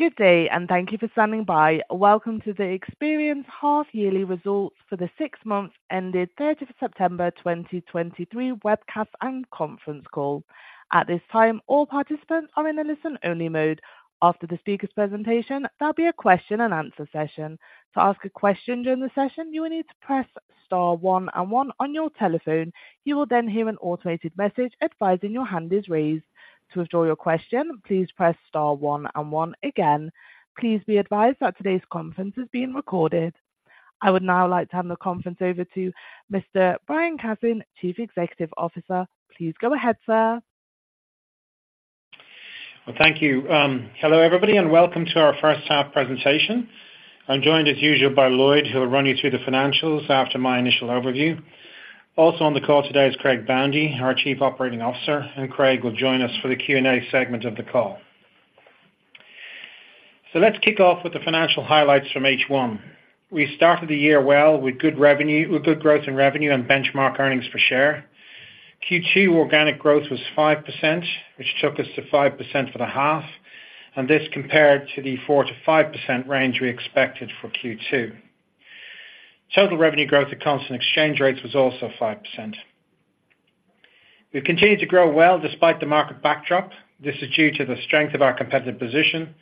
Good day, and thank you for standing by. Welcome to Experian's half yearly results for the six months ended 3rd of September 2023 webcast and conference call. At this time, all participants are in a listen-only mode. After the speaker's presentation, there'll be a question-and-answer session. To ask a question during the session, you will need to press star one and one on your telephone. You will then hear an automated message advising your hand is raised. To withdraw your question, please press star one and one again. Please be advised that today's conference is being recorded. I would now like to hand the conference over to Mr. Brian Cassin, Chief Executive Officer. Please go ahead, sir. Well, thank you. Hello, everybody, and welcome to our first half presentation. I'm joined, as usual, by Lloyd, who will run you through the financials after my initial overview. Also on the call today is Craig Boundy, our Chief Operating Officer, and Craig will join us for the Q&A segment of the call. Let's kick off with the financial highlights from H1. We started the year well with good growth in revenue and benchmark earnings per share. Q2 organic growth was 5%, which took us to 5% for the half, and this compared to the 4%-5% range we expected for Q2. Total revenue growth at constant exchange rates was also 5%. We've continued to grow well despite the market backdrop. This is due to the strength of our competitive position,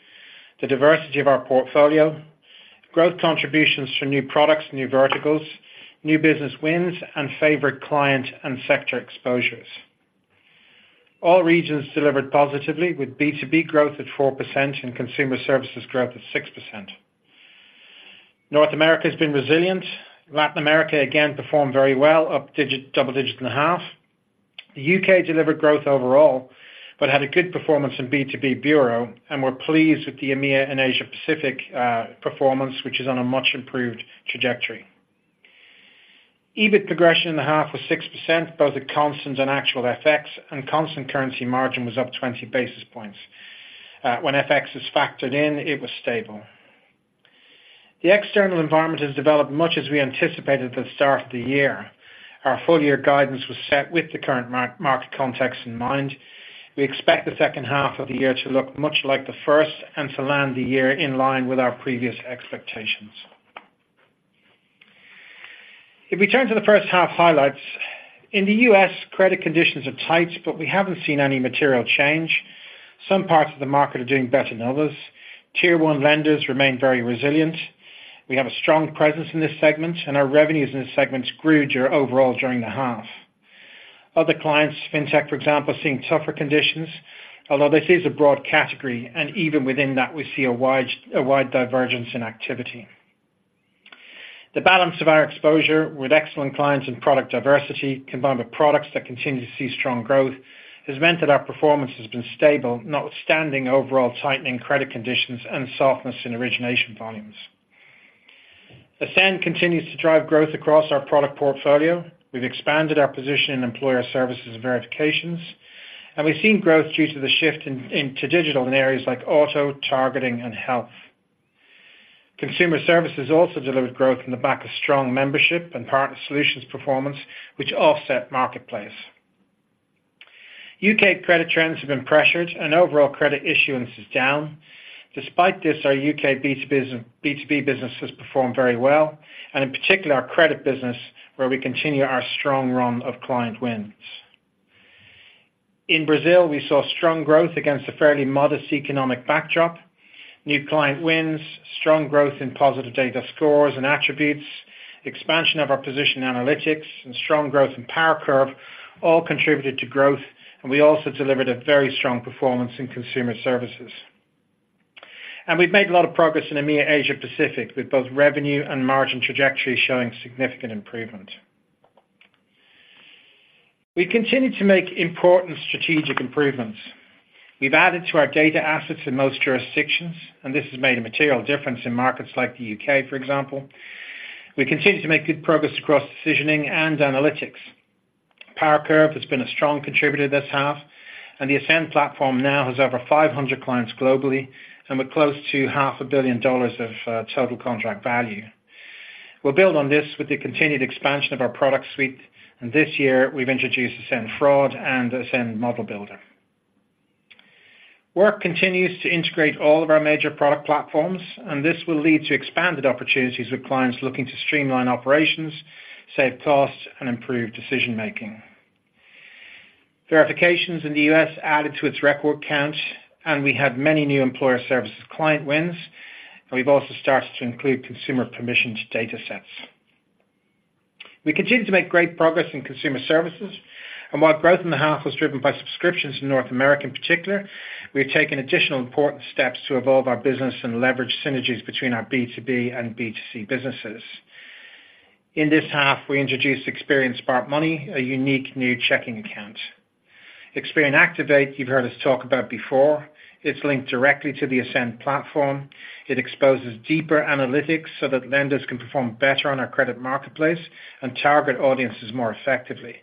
the diversity of our portfolio, growth contributions from new products and new verticals, new business wins, and favorable client and sector exposures. All regions delivered positively, with B2B growth at 4% and Consumer Services growth at 6%. North America has been resilient. Latin America again performed very well, up double digits in the half. The U.K. delivered growth overall, but had a good performance in B2B Bureau, and we're pleased with the EMEA and Asia Pacific performance, which is on a much improved trajectory. EBIT progression in the half was 6%, both at constant and actual FX, and constant currency margin was up 20 basis points. When FX is factored in, it was stable. The external environment has developed much as we anticipated at the start of the year. Our full year guidance was set with the current market context in mind. We expect the second half of the year to look much like the first and to land the year in line with our previous expectations. If we turn to the first half highlights, in the U.S., credit conditions are tight, but we haven't seen any material change. Some parts of the market are doing better than others. Tier One lenders remain very resilient. We have a strong presence in this segment, and our revenues in this segment grew overall during the half. Other clients, Fintech, for example, are seeing tougher conditions, although this is a broad category, and even within that, we see a wide divergence in activity. The balance of our exposure with excellent clients and product diversity, combined with products that continue to see strong growth, has meant that our performance has been stable, notwithstanding overall tightening credit conditions and softness in origination volumes. Ascend continues to drive growth across our product portfolio. We've expanded our position in Employer Services and Verifications, and we've seen growth due to the shift into digital in areas like Auto, Targeting, and Health. Consumer Services also delivered growth on the back of strong membership and Partner Solutions performance, which offset Marketplace. U.K. credit trends have been pressured and overall credit issuance is down. Despite this, our U.K. B2B business has performed very well, and in particular, our credit business, where we continue our strong run of client wins. In Brazil, we saw strong growth against a fairly modest economic backdrop. New client wins, strong growth in positive data scores and attributes, expansion of our position in analytics, and strong growth in PowerCurve all contributed to growth, and we also delivered a very strong performance in Consumer Services. We've made a lot of progress in EMEA and Asia Pacific, with both revenue and margin trajectory showing significant improvement. We continue to make important strategic improvements. We've added to our data assets in most jurisdictions, and this has made a material difference in markets like the U.K., for example. We continue to make good progress across decisioning and analytics. PowerCurve has been a strong contributor this half, and the Ascend platform now has over 500 clients globally, and we're close to $500 million of total contract value. We'll build on this with the continued expansion of our product suite, and this year we've introduced Ascend Fraud and Ascend Model Builder. Work continues to integrate all of our major product platforms, and this will lead to expanded opportunities with clients looking to streamline operations, save costs, and improve decision-making. Verifications in the U.S. added to its record count, and we had many new Employer Services client wins, and we've also started to include consumer permissions datasets. We continue to make great progress in Consumer Services, and while growth in the half was driven by subscriptions in North America in particular, we have taken additional important steps to evolve our business and leverage synergies between our B2B and B2C businesses. In this half, we introduced Experian Smart Money, a unique new checking account. Experian Activate, you've heard us talk about before. It's linked directly to the Ascend platform. It exposes deeper analytics so that lenders can perform better on our Credit Marketplace and target audiences more effectively.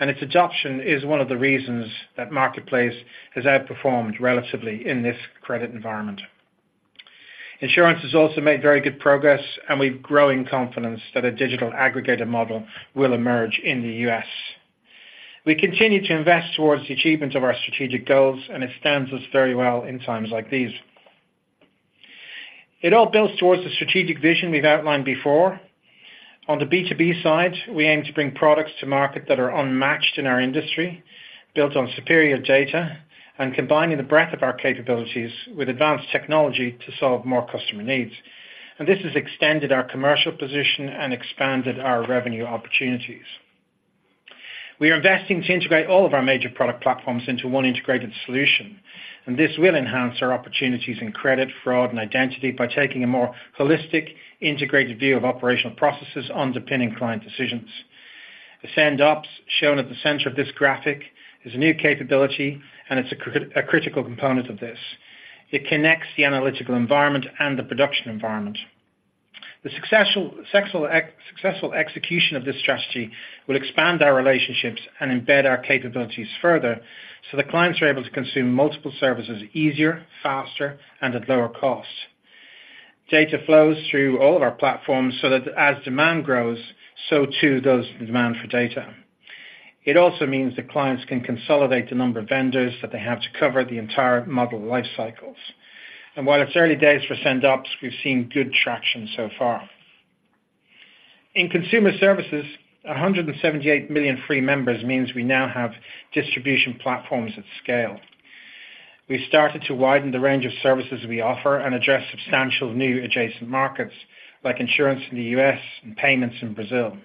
Its adoption is one of the reasons that Marketplace has outperformed relatively in this credit environment. Insurance has also made very good progress, and we have growing confidence that a digital aggregator model will emerge in the U.S. We continue to invest towards the achievement of our strategic goals, and it stands us very well in times like these. It all builds towards the strategic vision we've outlined before. On the B2B side, we aim to bring products to market that are unmatched in our industry, built on superior data, and combining the breadth of our capabilities with advanced technology to solve more customer needs. This has extended our commercial position and expanded our revenue opportunities. We are investing to integrate all of our major product platforms into one integrated solution, and this will enhance our opportunities in credit, fraud, and identity by taking a more holistic, integrated view of operational processes underpinning client decisions. Ascend Ops, shown at the center of this graphic, is a new capability, and it's a critical component of this. It connects the analytical environment and the production environment. The successful execution of this strategy will expand our relationships and embed our capabilities further, so the clients are able to consume multiple services easier, faster, and at lower cost. Data flows through all of our platforms so that as demand grows, so too does the demand for data. It also means that clients can consolidate the number of vendors that they have to cover the entire model life cycles. While it's early days for Ascend Ops, we've seen good traction so far. In Consumer Services, 178 million free members means we now have distribution platforms at scale. We've started to widen the range of services we offer and address substantial new adjacent markets, like insurance in the U.S. and payments in Brazil.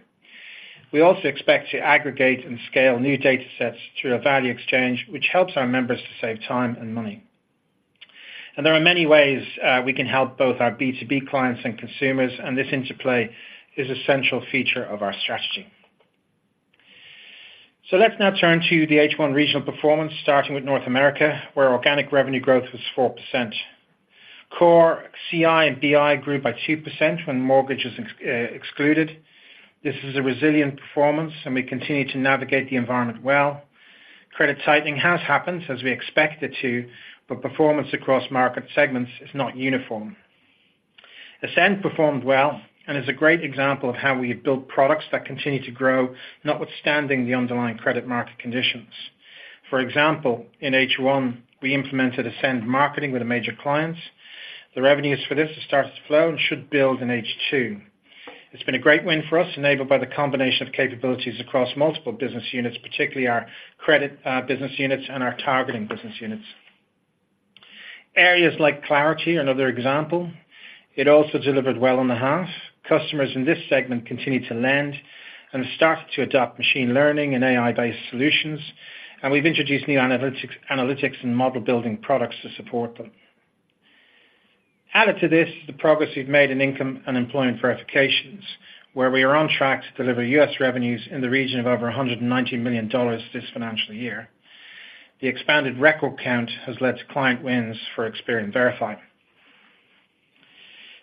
We also expect to aggregate and scale new data sets through our value exchange, which helps our members to save time and money. There are many ways we can help both our B2B clients and consumers, and this interplay is a central feature of our strategy. So let's now turn to the H1 regional performance, starting with North America, where organic revenue growth was 4%. Core CI and BI grew by 2% when mortgages is excluded. This is a resilient performance, and we continue to navigate the environment well. Credit tightening has happened as we expected it to, but performance across market segments is not uniform. Ascend performed well and is a great example of how we build products that continue to grow, notwithstanding the underlying credit market conditions. For example, in H1, we implemented Ascend Marketing with a major client. The revenues for this have started to flow and should build in H2. It's been a great win for us, enabled by the combination of capabilities across multiple business units, particularly our credit business units and our targeting business units. Areas like Clarity, another example, it also delivered well in the half. Customers in this segment continue to lend and start to adopt machine learning and AI-based solutions, and we've introduced new analytics and model building products to support them. Added to this, the progress we've made in Income and Employment Verifications, where we are on track to deliver U.S. revenues in the region of over $190 million this financial year. The expanded record count has led to client wins for Experian Verify.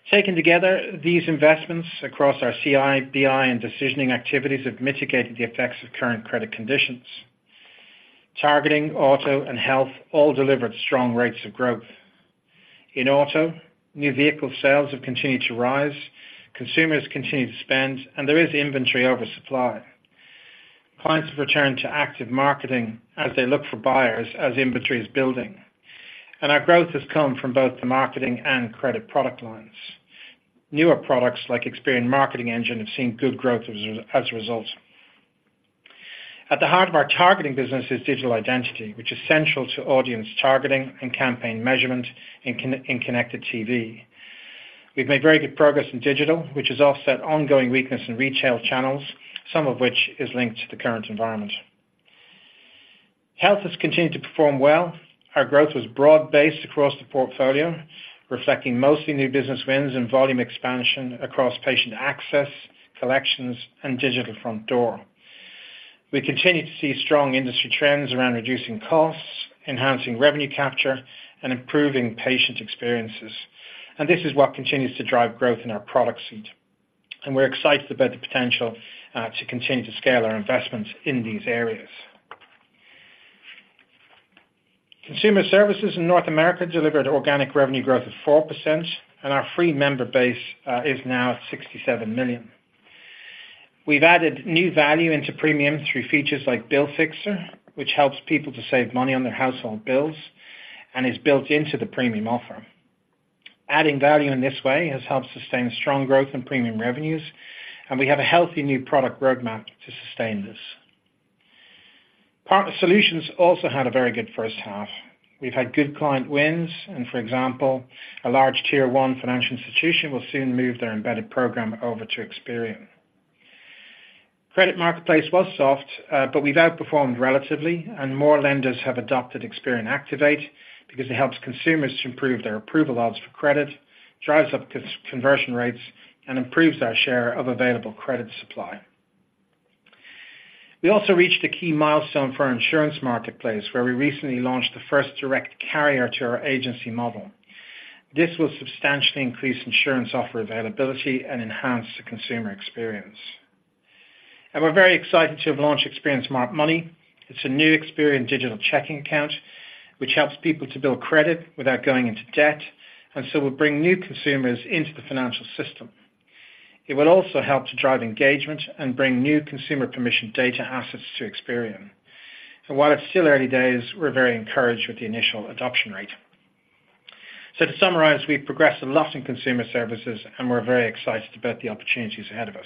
Taken together, these investments across our CI, BI, and decisioning activities have mitigated the effects of current credit conditions. Targeting, Auto, and Health all delivered strong rates of growth. In auto, new vehicle sales have continued to rise, consumers continue to spend, and there is inventory over supply. Clients have returned to active marketing as they look for buyers as inventory is building, and our growth has come from both the marketing and credit product lines. Newer products like Experian Marketing Engine have seen good growth as a result. At the heart of our Targeting business is digital identity, which is central to audience targeting and campaign measurement in connected TV. We've made very good progress in digital, which has offset ongoing weakness in retail channels, some of which is linked to the current environment. Health has continued to perform well. Our growth was broad-based across the portfolio, reflecting mostly new business wins and volume expansion across Patient Access, Collections, and Digital Front Door. We continue to see strong industry trends around reducing costs, enhancing revenue capture, and improving patient experiences. And this is what continues to drive growth in our product suite. And we're excited about the potential to continue to scale our investments in these areas. Consumer Services in North America delivered organic revenue growth of 4%, and our free member base is now at 67 million. We've added new value into premium through features like BillFixer, which helps people to save money on their household bills and is built into the premium offer. Adding value in this way has helped sustain strong growth in premium revenues, and we have a healthy new product roadmap to sustain this. Partner solutions also had a very good first half. We've had good client wins, and for example, a large Tier One financial institution will soon move their embedded program over to Experian. Credit Marketplace was soft, but we've outperformed relatively, and more lenders have adopted Experian Activate because it helps consumers to improve their approval odds for credit, drives up conversion rates, and improves our share of available credit supply. We also reached a key milestone for our Insurance Marketplace, where we recently launched the first direct carrier to our agency model. This will substantially increase insurance offer availability and enhance the consumer experience. We're very excited to have launched Experian Smart Money. It's a new Experian digital checking account, which helps people to build credit without going into debt, and so will bring new consumers into the financial system. It will also help to drive engagement and bring new consumer permission data assets to Experian. While it's still early days, we're very encouraged with the initial adoption rate. To summarize, we've progressed a lot in Consumer Services, and we're very excited about the opportunities ahead of us.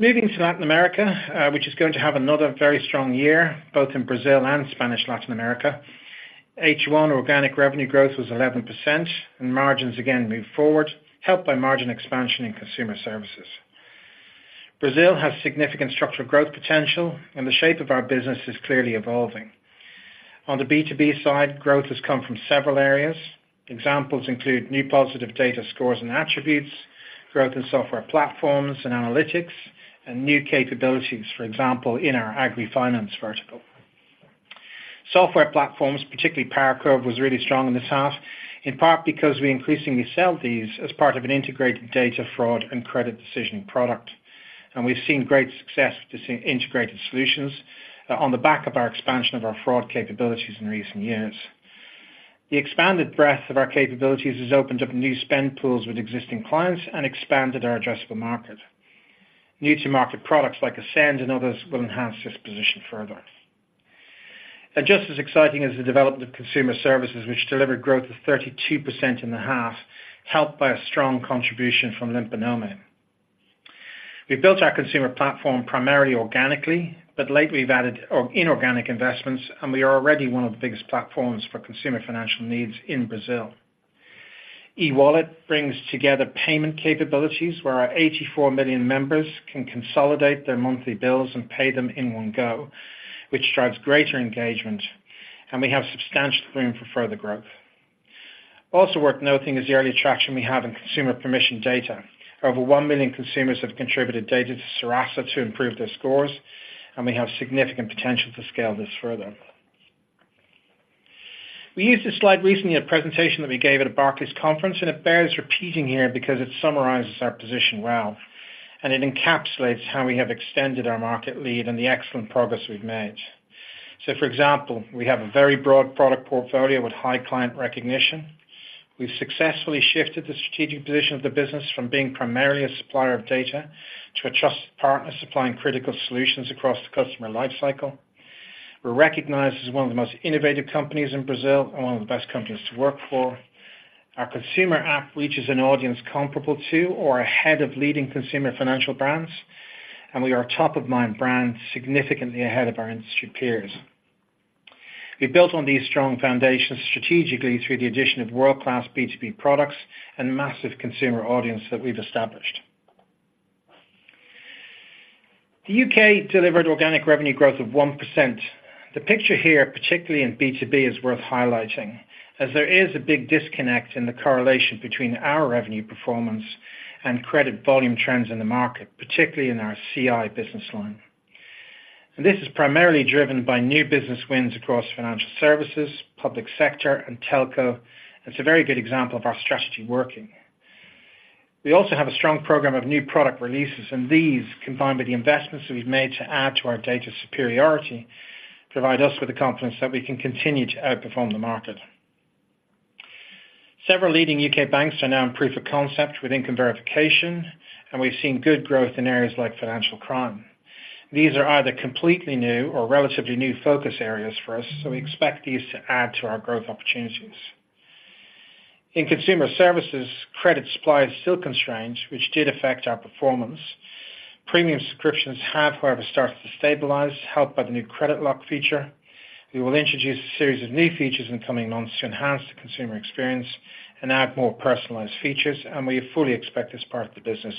Moving to Latin America, which is going to have another very strong year, both in Brazil and Spanish Latin America. H1 organic revenue growth was 11%, and margins again moved forward, helped by margin expansion in Consumer Services. Brazil has significant structural growth potential, and the shape of our business is clearly evolving. On the B2B side, growth has come from several areas. Examples include new positive data scores and attributes, growth in software platforms and analytics, and new capabilities, for example, in our agri-finance vertical. Software platforms, particularly PowerCurve, was really strong in this half, in part because we increasingly sell these as part of an integrated data fraud and credit decisioning product. And we've seen great success with these integrated solutions, on the back of our expansion of our fraud capabilities in recent years. The expanded breadth of our capabilities has opened up new spend pools with existing clients and expanded our addressable market. New-to-market products like Ascend and others will enhance this position further. Just as exciting as the development of Consumer Services, which delivered growth of 32% in the half, helped by a strong contribution from Limpa Nome. We've built our consumer platform primarily organically, but lately we've added inorganic investments, and we are already one of the biggest platforms for consumer financial needs in Brazil. E-wallet brings together payment capabilities, where our 84 million members can consolidate their monthly bills and pay them in one go, which drives greater engagement, and we have substantial room for further growth. Also worth noting is the early traction we have in consumer permission data. Over one million consumers have contributed data to Serasa to improve their scores, and we have significant potential to scale this further. We used this slide recently at a presentation that we gave at a Barclays conference, and it bears repeating here because it summarizes our position well, and it encapsulates how we have extended our market lead and the excellent progress we've made. So, for example, we have a very broad product portfolio with high client recognition. We've successfully shifted the strategic position of the business from being primarily a supplier of data to a trusted partner, supplying critical solutions across the customer life cycle. We're recognized as one of the most innovative companies in Brazil and one of the best companies to work for. Our consumer app reaches an audience comparable to or ahead of leading consumer financial brands, and we are a top-of-mind brand, significantly ahead of our industry peers. We've built on these strong foundations strategically through the addition of world-class B2B products and massive consumer audience that we've established. The U.K. delivered organic revenue growth of 1%. The picture here, particularly in B2B, is worth highlighting, as there is a big disconnect in the correlation between our revenue performance and credit volume trends in the market, particularly in our CI business line. This is primarily driven by new business wins across financial services, public sector, and telco. It's a very good example of our strategy working. We also have a strong program of new product releases, and these, combined with the investments that we've made to add to our data superiority, provide us with the confidence that we can continue to outperform the market. Several leading U.K. banks are now in proof of concept with Income Verification, and we've seen good growth in areas like financial crime. These are either completely new or relatively new focus areas for us, so we expect these to add to our growth opportunities. In Consumer Services, credit supply is still constrained, which did affect our performance. Premium subscriptions have, however, started to stabilize, helped by the new credit lock feature. We will introduce a series of new features in coming months to enhance the consumer experience and add more personalized features, and we fully expect this part of the business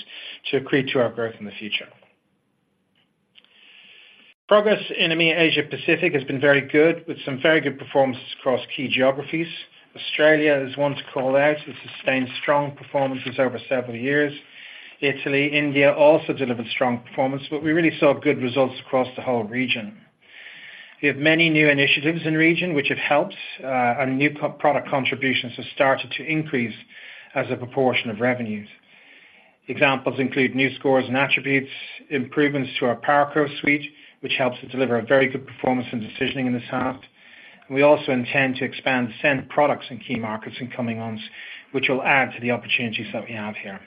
to accrete to our growth in the future. Progress in EMEA and Asia Pacific has been very good, with some very good performances across key geographies. Australia is one to call out. It's sustained strong performances over several years. Italy, India also delivered strong performance, but we really saw good results across the whole region. We have many new initiatives in the region, which have helped, and new product contributions have started to increase as a proportion of revenues. Examples include new scores and attributes, improvements to our PowerCurve suite, which helps to deliver a very good performance and decisioning in this half. And we also intend to expand Ascend products in key markets in coming months, which will add to the opportunities that we have here.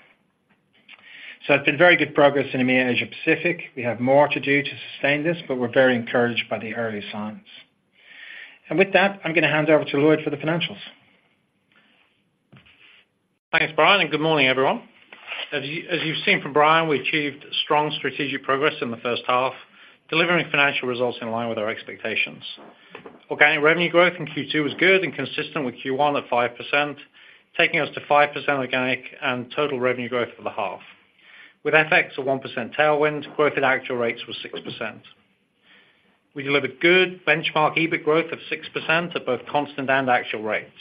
So it's been very good progress in EMEA and Asia Pacific. We have more to do to sustain this, but we're very encouraged by the early signs. And with that, I'm going to hand over to Lloyd for the financials. Thanks, Brian, and good morning, everyone. As you, as you've seen from Brian, we achieved strong strategic progress in the first half, delivering financial results in line with our expectations. Organic revenue growth in Q2 was good and consistent with Q1 at 5%, taking us to 5% organic and total revenue growth for the half. With FX a 1% tailwind, growth at actual rates was 6%. We delivered good benchmark EBIT growth of 6% at both constant and actual rates.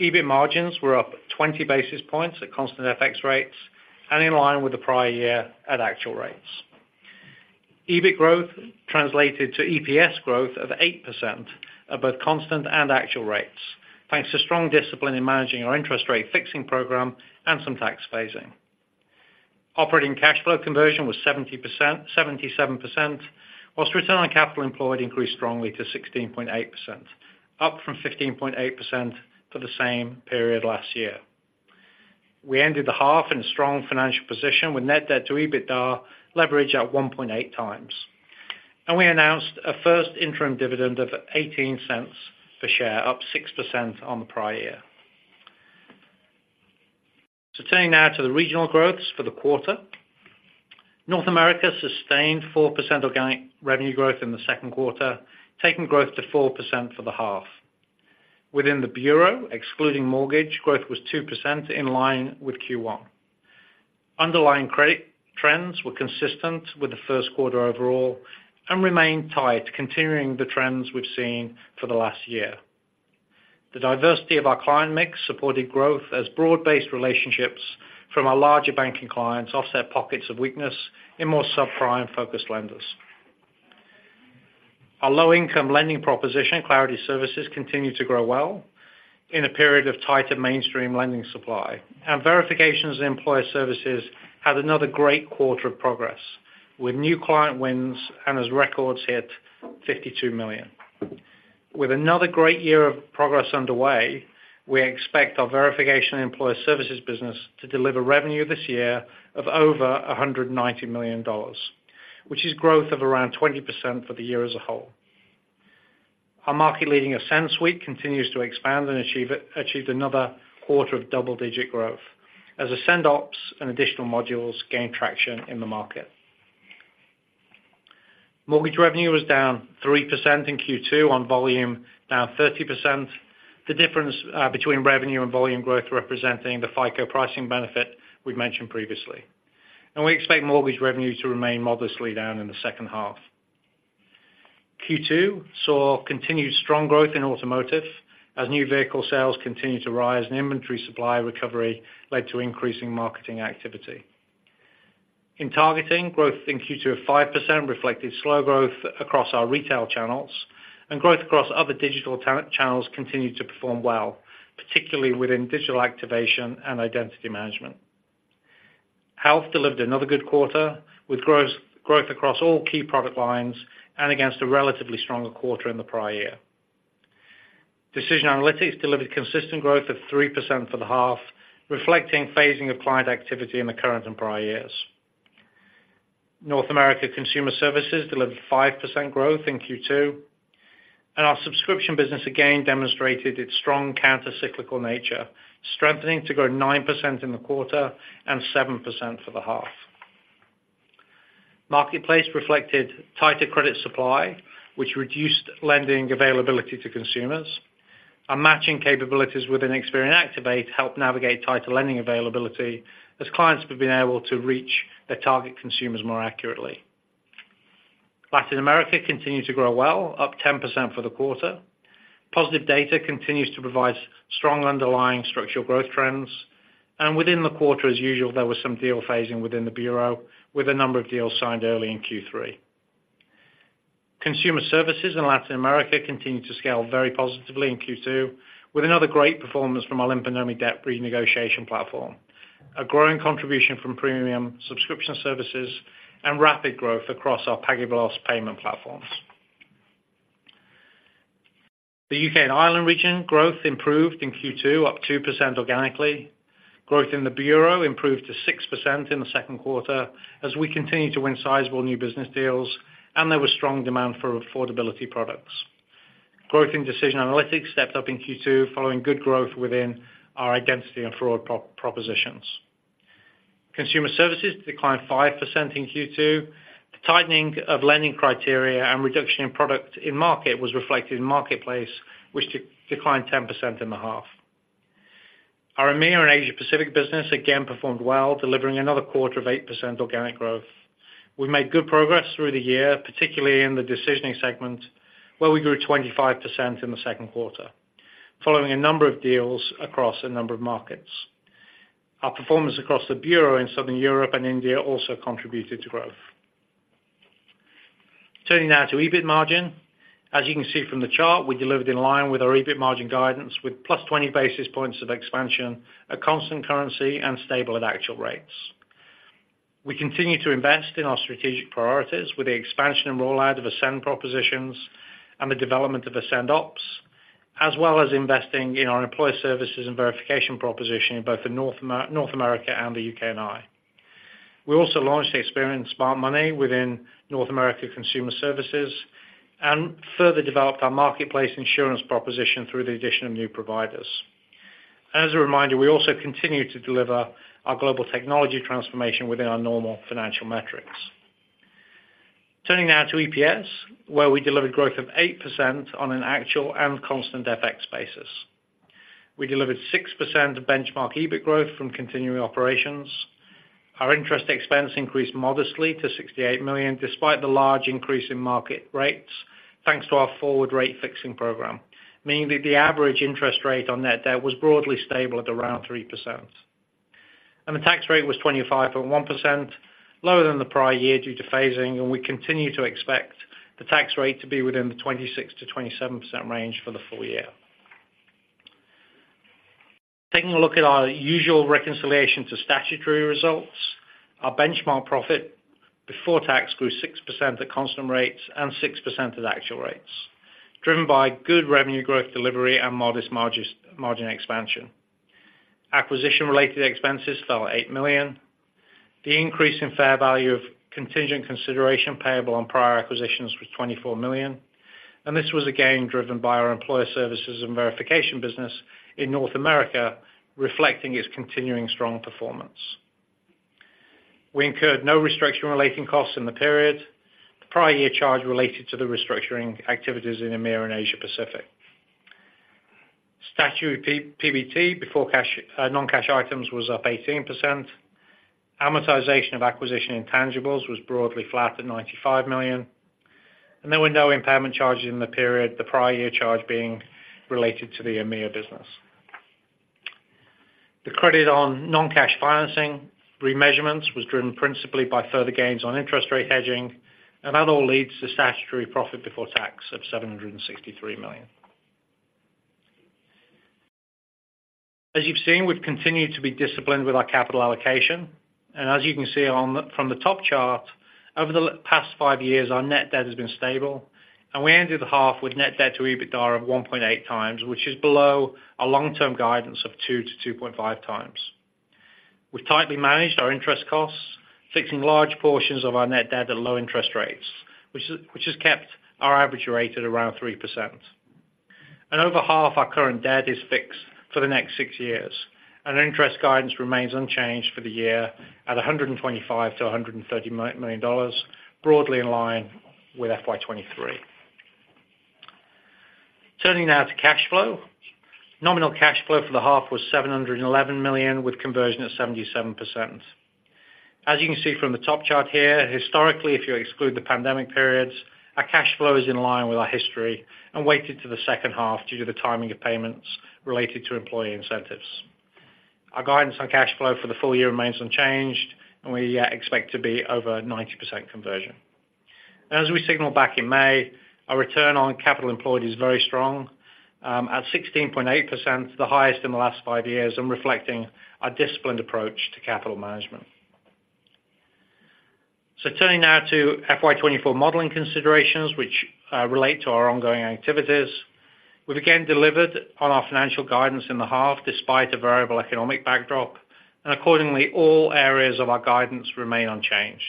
EBIT margins were up 20 basis points at constant FX rates and in line with the prior year at actual rates. EBIT growth translated to EPS growth of 8% at both constant and actual rates, thanks to strong discipline in managing our interest rate fixing program and some tax phasing. Operating cash flow conversion was 70%, 77%, while return on capital employed increased strongly to 16.8%, up from 15.8% for the same period last year. We ended the half in a strong financial position, with net debt to EBITDA leverage at 1.8 times. We announced a first interim dividend of $0.18 per share, up 6% on the prior year. Turning now to the regional growths for the quarter. North America sustained 4% organic revenue growth in the second quarter, taking growth to 4% for the half. Within the Bureau, excluding mortgage, growth was 2% in line with Q1. Underlying credit trends were consistent with the first quarter overall and remained tight, continuing the trends we've seen for the last year. The diversity of our client mix supported growth as broad-based relationships from our larger banking clients offset pockets of weakness in more subprime-focused lenders. Our low-income lending proposition, Clarity Services, continued to grow well in a period of tighter mainstream lending supply. Our Verifications and Employer Services had another great quarter of progress, with new client wins and as records hit 52 million. With another great year of progress underway, we expect our Verification and Employer Services business to deliver revenue this year of over $190 million, which is growth of around 20% for the year as a whole. Our market-leading Ascend suite continues to expand and achieved another quarter of double-digit growth, as Ascend Ops and additional modules gain traction in the market. Mortgage revenue was down 3% in Q2 on volume, down 30%. The difference between revenue and volume growth representing the FICO pricing benefit we've mentioned previously. We expect mortgage revenue to remain modestly down in the second half. Q2 saw continued strong growth in Automotive as new vehicle sales continued to rise, and inventory supply recovery led to increasing marketing activity. In Targeting, growth in Q2 of 5% reflected slow growth across our retail channels, and growth across other digital targeting channels continued to perform well, particularly within digital activation and identity management. Health delivered another good quarter, with growth across all key product lines and against a relatively stronger quarter in the prior year. Decision Analytics delivered consistent growth of 3% for the half, reflecting phasing of client activity in the current and prior years. North America Consumer Services delivered 5% growth in Q2, and our subscription business again demonstrated its strong countercyclical nature, strengthening to grow 9% in the quarter and 7% for the half. Marketplace reflected tighter credit supply, which reduced lending availability to consumers. Our matching capabilities within Experian Activate helped navigate tighter lending availability, as clients have been able to reach their target consumers more accurately. Latin America continued to grow well, up 10% for the quarter. Positive data continues to provide strong underlying structural growth trends, and within the quarter, as usual, there was some deal phasing within the Bureau, with a number of deals signed early in Q3. Consumer Services in Latin America continued to scale very positively in Q2, with another great performance from our Limpa Nome debt renegotiation platform, a growing contribution from premium subscription services, and rapid growth across our PagueVeloz payment platforms. The U.K. and Ireland region growth improved in Q2, up 2% organically. Growth in the Bureau improved to 6% in the second quarter as we continued to win sizable new business deals, and there was strong demand for affordability products. Growth in Decision Analytics stepped up in Q2, following good growth within our identity and fraud propositions. Consumer Services declined 5% in Q2. The tightening of lending criteria and reduction in product in market was reflected in Marketplace, which declined 10% in the half. Our EMEA and Asia Pacific business again performed well, delivering another quarter of 8% organic growth. We've made good progress through the year, particularly in the decisioning segment, where we grew 25% in the second quarter, following a number of deals across a number of markets. Our performance across the Bureau in Southern Europe and India also contributed to growth. Turning now to EBIT margin. As you can see from the chart, we delivered in line with our EBIT margin guidance with plus 20 basis points of expansion, at constant currency, and stable at actual rates. We continue to invest in our strategic priorities with the expansion and rollout of Ascend propositions and the development of Ascend Ops, as well as investing in our Employer Services and Verification proposition in both North America and the U.K. and Ireland. We also launched Experian Smart Money within North America Consumer Services and further developed our marketplace insurance proposition through the addedion of new providers. As a reminder, we also continue to deliver our global technology transformation within our normal financial metrics. Turning now to EPS, where we delivered growth of 8% on an actual and constant FX basis. We delivered 6% benchmark EBIT growth from continuing operations. Our interest expense increased modestly to $68 million, despite the large increase in market rates, thanks to our forward rate fixing program, meaning that the average interest rate on net debt was broadly stable at around 3%. And the tax rate was 25.1%, lower than the prior year due to phasing, and we continue to expect the tax rate to be within the 26%-27% range for the full year. Taking a look at our usual reconciliation to statutory results, our benchmark profit before tax grew 6% at constant rates and 6% at actual rates, driven by good revenue growth delivery and modest margin expansion. Acquisition-related expenses fell $8 million. The increase in fair value of contingent consideration payable on prior acquisitions was $24 million, and this was again driven by our Employer Services and Verification business in North America, reflecting its continuing strong performance. We incurred no restructuring-related costs in the period, the prior year charge related to the restructuring activities in EMEA and Asia Pacific. Statutory PBT before cash, non-cash items was up 18%. Amortization of acquisition intangibles was broadly flat at $95 million, and there were no impairment charges in the period, the prior year charge being related to the EMEA business. The credit on non-cash financing remeasurements was driven principally by further gains on interest rate hedging, and that all leads to statutory profit before tax of $763 million. As you've seen, we've continued to be disciplined with our capital allocation, and as you can see on the, from the top chart, over the past five years, our net debt has been stable, and we ended the half with net debt to EBITDA of 1.8x, which is below our long-term guidance of 2-2.5x. We've tightly managed our interest costs, fixing large portions of our net debt at low interest rates, which has kept our average rate at around 3%. Over half our current debt is fixed for the next six years, and our interest guidance remains unchanged for the year at $125 million-$130 million, broadly in line with FY 2023. Turning now to cash flow. Nominal cash flow for the half was $711 million, with conversion at 77%. As you can see from the top chart here, historically, if you exclude the pandemic periods, our cash flow is in line with our history and weighted to the second half due to the timing of payments related to employee incentives. Our guidance on cash flow for the full year remains unchanged, and we expect to be over 90% conversion. As we signaled back in May, our return on capital employed is very strong, at 16.8%, the highest in the last five years, and reflecting our disciplined approach to capital management. So turning now to FY 2024 modeling considerations, which relate to our ongoing activities. We've again delivered on our financial guidance in the half, despite the variable economic backdrop, and accordingly, all areas of our guidance remain unchanged.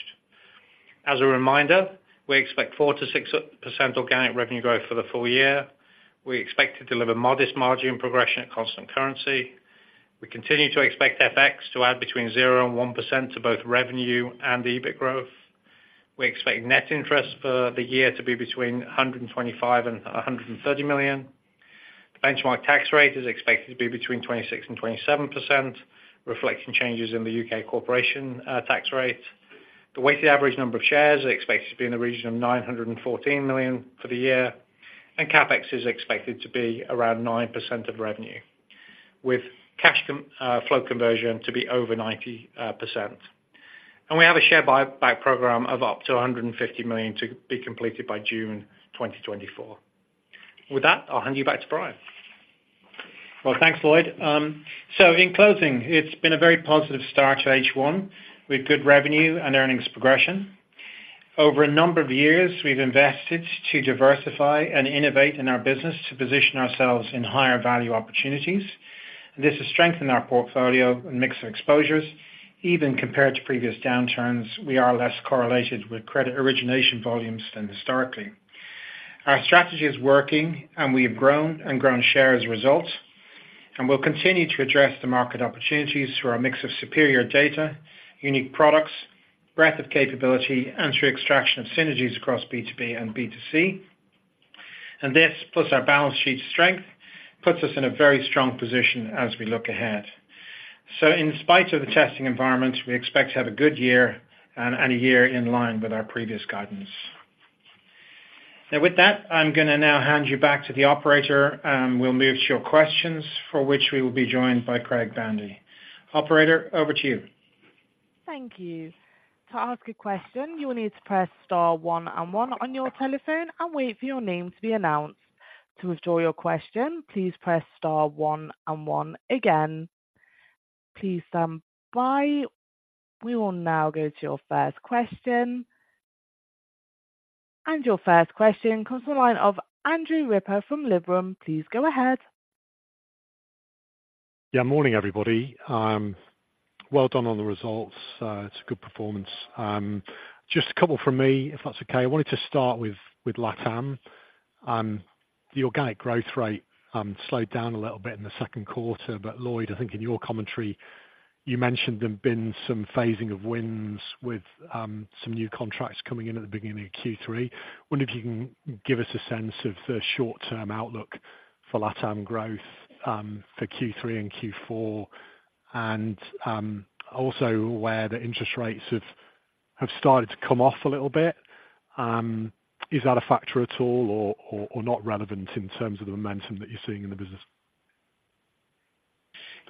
As a reminder, we expect 4%-6% organic revenue growth for the full year. We expect to deliver modest margin progression at constant currency. We continue to expect FX to add between 0% and 1% to both revenue and EBIT growth. We expect net interest for the year to be between $125 million and $130 million. The benchmark tax rate is expected to be between 26%-27%, reflecting changes in the U.K. corporation tax rate. The weighted average number of shares are expected to be in the region of 914 million for the year, and CapEx is expected to be around 9% of revenue, with cash flow conversion to be over 90%. And we have a share buyback program of up to $150 million to be completed by June 2024. With that, I'll hand you back to Brian. Well, thanks, Lloyd. So in closing, it's been a very positive start to H1 with good revenue and earnings progression. Over a number of years, we've invested to diversify and innovate in our business to position ourselves in higher value opportunities. This has strengthened our portfolio and mix of exposures. Even compared to previous downturns, we are less correlated with credit origination volumes than historically. Our strategy is working, and we have grown and grown share as a result, and we'll continue to address the market opportunities through our mix of superior data, unique products, breadth of capability, and through extraction of synergies across B2B and B2C. And this, plus our balance sheet strength, puts us in a very strong position as we look ahead. So in spite of the testing environment, we expect to have a good year and a year in line with our previous guidance. Now, with that, I'm gonna now hand you back to the operator, and we'll move to your questions, for which we will be joined by Craig Boundy. Operator, over to you. Thank you. To ask a question, you will need to press star one and one on your telephone and wait for your name to be announced. To withdraw your question, please press star one and one again. Please stand by. We will now go to your first question. Your first question comes from the line of Andrew Ripper from Liberum. Please go ahead. Yeah, morning, everybody. Well done on the results. It's a good performance. Just a couple from me, if that's okay. I wanted to start with, with LatAm. The organic growth rate slowed down a little bit in the second quarter, but Lloyd, I think in your commentary, you mentioned there'd been some phasing of wins with some new contracts coming in at the beginning of Q3. Wonder if you can give us a sense of the short-term outlook for LatAm growth for Q3 and Q4, and also where the interest rates have started to come off a little bit. Is that a factor at all or not relevant in terms of the momentum that you're seeing in the business?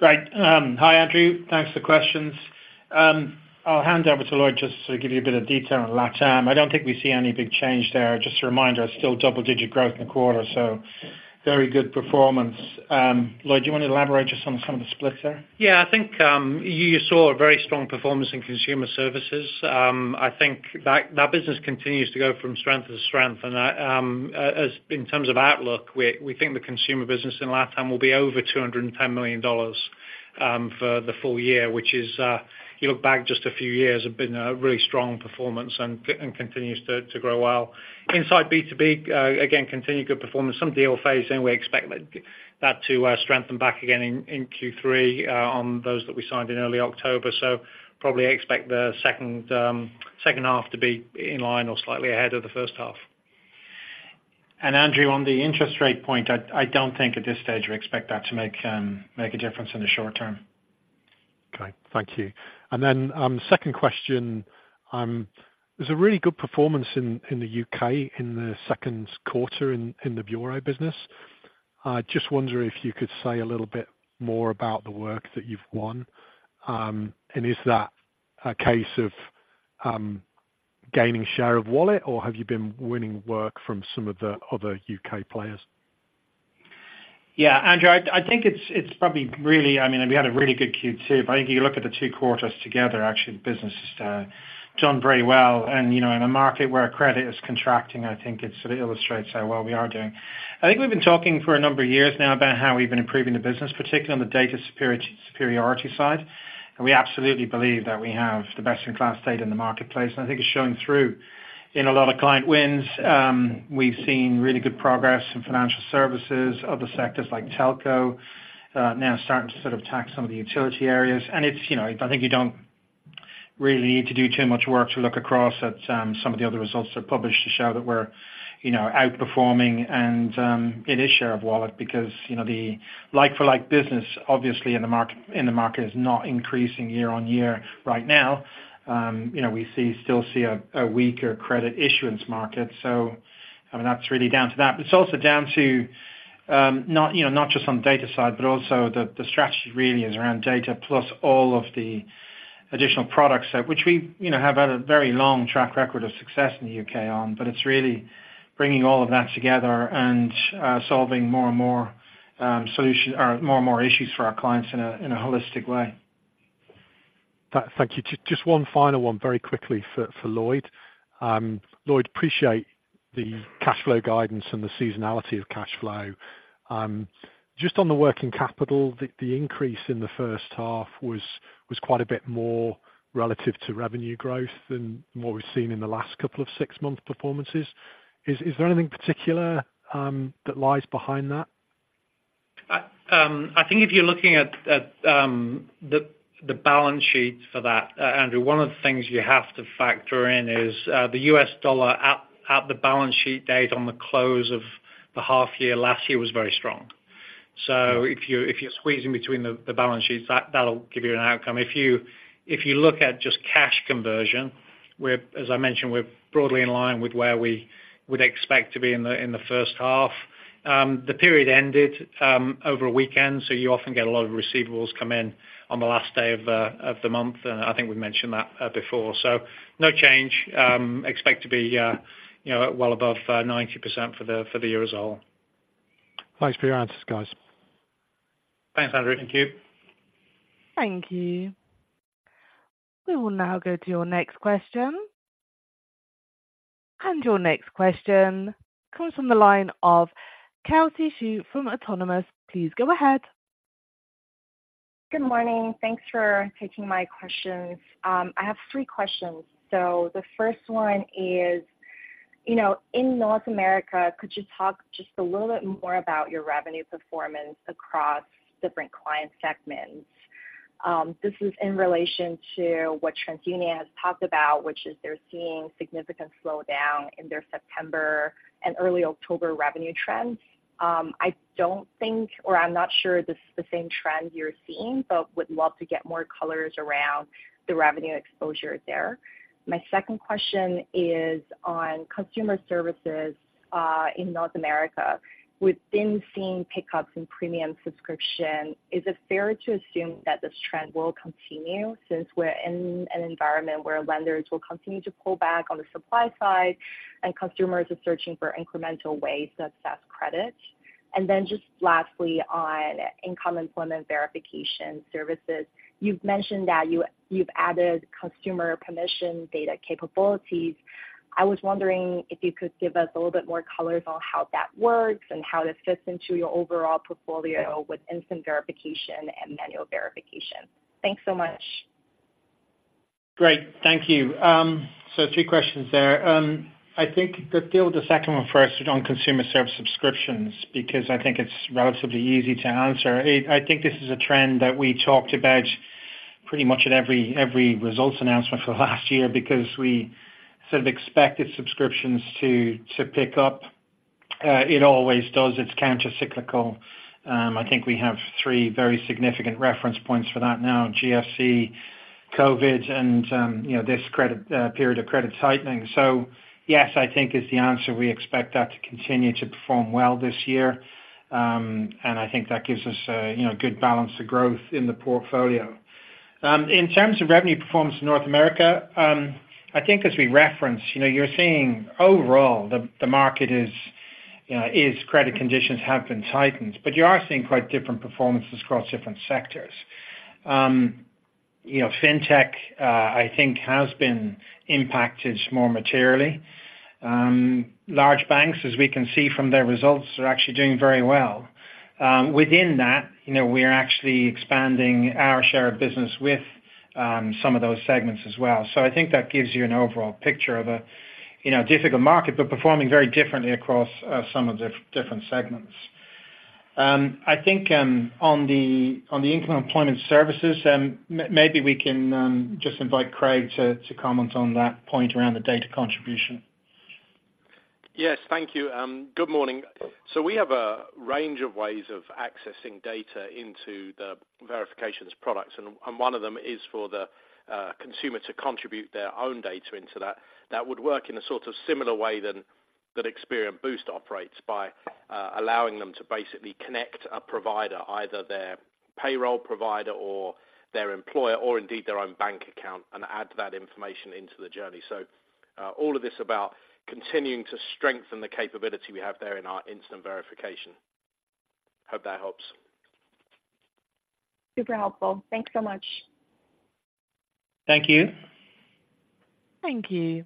Great. Hi, Andrew. Thanks for the questions. I'll hand over to Lloyd just to give you a bit of detail on LatAm. I don't think we see any big change there. Just a reminder, it's still double-digit growth in the quarter, so very good performance. Lloyd, do you want to elaborate just on some of the splits there? Yeah, I think you saw a very strong performance in Consumer Services. I think that business continues to go from strength to strength, and I, as in terms of outlook, we think the consumer business in LatAm will be over $210 million for the full year, which is, you look back just a few years, have been a really strong performance and continues to grow well. Inside B2B, again, continued good performance. Some deal phasing, we expect that to strengthen back again in Q3, on those that we signed in early October. So probably expect the second half to be in line or slightly ahead of the first half. And Andrew, on the interest rate point, I, I don't think at this stage we expect that to make, make a difference in the short term. Okay. Thank you. And then, the second question, there's a really good performance in the U.K. in the second quarter in the Bureau business. I just wonder if you could say a little bit more about the work that you've won, and is that a case of gaining share of wallet, or have you been winning work from some of the other U.K. players? Yeah, Andrew, I think it's probably really—I mean, we had a really good Q2, but I think if you look at the two quarters together, actually, the business has done very well. And, you know, in a market where credit is contracting, I think it sort of illustrates how well we are doing. I think we've been talking for a number of years now about how we've been improving the business, particularly on the data superiority side. And we absolutely believe that we have the best-in-class data in the marketplace, and I think it's showing through in a lot of client wins. We've seen really good progress in financial services, other sectors like telco, now starting to sort of attack some of the utility areas. It's, you know, I think you don't really need to do too much work to look across at some of the other results that are published to show that we're, you know, outperforming. It is share of wallet because, you know, the like-for-like business, obviously in the market, in the market is not increasing year on year right now. You know, we still see a weaker credit issuance market, so, I mean, that's really down to that. But it's also down to, not, you know, not just on data side, but also the strategy really is around data plus all of the additional products set, which we, you know, have had a very long track record of success in the U.K. on. But it's really bringing all of that together and solving more and more issues for our clients in a holistic way. Thank you. Just one final one very quickly for Lloyd. Lloyd, appreciate the cash flow guidance and the seasonality of cash flow. Just on the working capital, the increase in the first half was quite a bit more relative to revenue growth than what we've seen in the last couple of six-month performances. Is there anything particular that lies behind that? I think if you're looking at the balance sheet for that, Andrew, one of the things you have to factor in is the U.S. dollar at the balance sheet date on the close of the half year, last year was very strong. So if you're squeezing between the balance sheets, that'll give you an outcome. If you look at just cash conversion, we're, as I mentioned, we're broadly in line with where we would expect to be in the first half. The period ended over a weekend, so you often get a lot of receivables come in on the last day of the month, and I think we've mentioned that before. So no change. Expect to be, you know, well above 90% for the year as a whole. Thanks for your answers, guys. Thanks, Andrew. Thank you. Thank you. We will now go to your next question. Your next question comes from the line of Kelsey Zhu from Autonomous. Please go ahead. Good morning. Thanks for taking my questions. I have three questions. The first one is, you know, in North America, could you talk just a little bit more about your revenue performance across different client segments? This is in relation to what TransUnion has talked about, which is they're seeing significant slowdown in their September and early October revenue trends. I don't think, or I'm not sure this is the same trend you're seeing, but would love to get more colors around the revenue exposure there. My second question is on Consumer Services in North America. We've been seeing pick-ups in premium subscription. Is it fair to assume that this trend will continue since we're in an environment where lenders will continue to pull back on the supply side, and consumers are searching for incremental ways to access credit? Then just lastly, on Income and Employment Verification services, you've mentioned that you've added consumer permission data capabilities. I was wondering if you could give us a little bit more color on how that works and how this fits into your overall portfolio with instant verification and manual verification. Thanks so much. Great. Thank you. So three questions there. I think that deal with the second one first on consumer service subscriptions, because I think it's relatively easy to answer. It I think this is a trend that we talked about pretty much at every results announcement for the last year, because we sort of expected subscriptions to pick up. It always does. It's countercyclical. I think we have three very significant reference points for that now, GFC. COVID and, you know, this credit period of credit tightening. So yes, I think is the answer. We expect that to continue to perform well this year. I think that gives us a, you know, good balance of growth in the portfolio. In terms of revenue performance in North America, I think as we reference, you know, you're seeing overall the market is, you know, credit conditions have been tightened, but you are seeing quite different performances across different sectors. You know, Fintech, I think has been impacted more materially. Large banks, as we can see from their results, are actually doing very well. Within that, you know, we're actually expanding our share of business with some of those segments as well. So I think that gives you an overall picture of a, you know, difficult market, but performing very differently across some of the different segments. I think on the income employment services, maybe we can just invite Craig to comment on that point around the data contribution. Yes, thank you. Good morning. So we have a range of ways of accessing data into the Verifications products, and one of them is for the consumer to contribute their own data into that. That would work in a sort of similar way than that Experian Boost operates by allowing them to basically connect a provider, either their payroll provider or their employer, or indeed their own bank account, and add that information into the journey. So all of this about continuing to strengthen the capability we have there in our instant verification. Hope that helps. Super helpful. Thanks so much. Thank you. Thank you.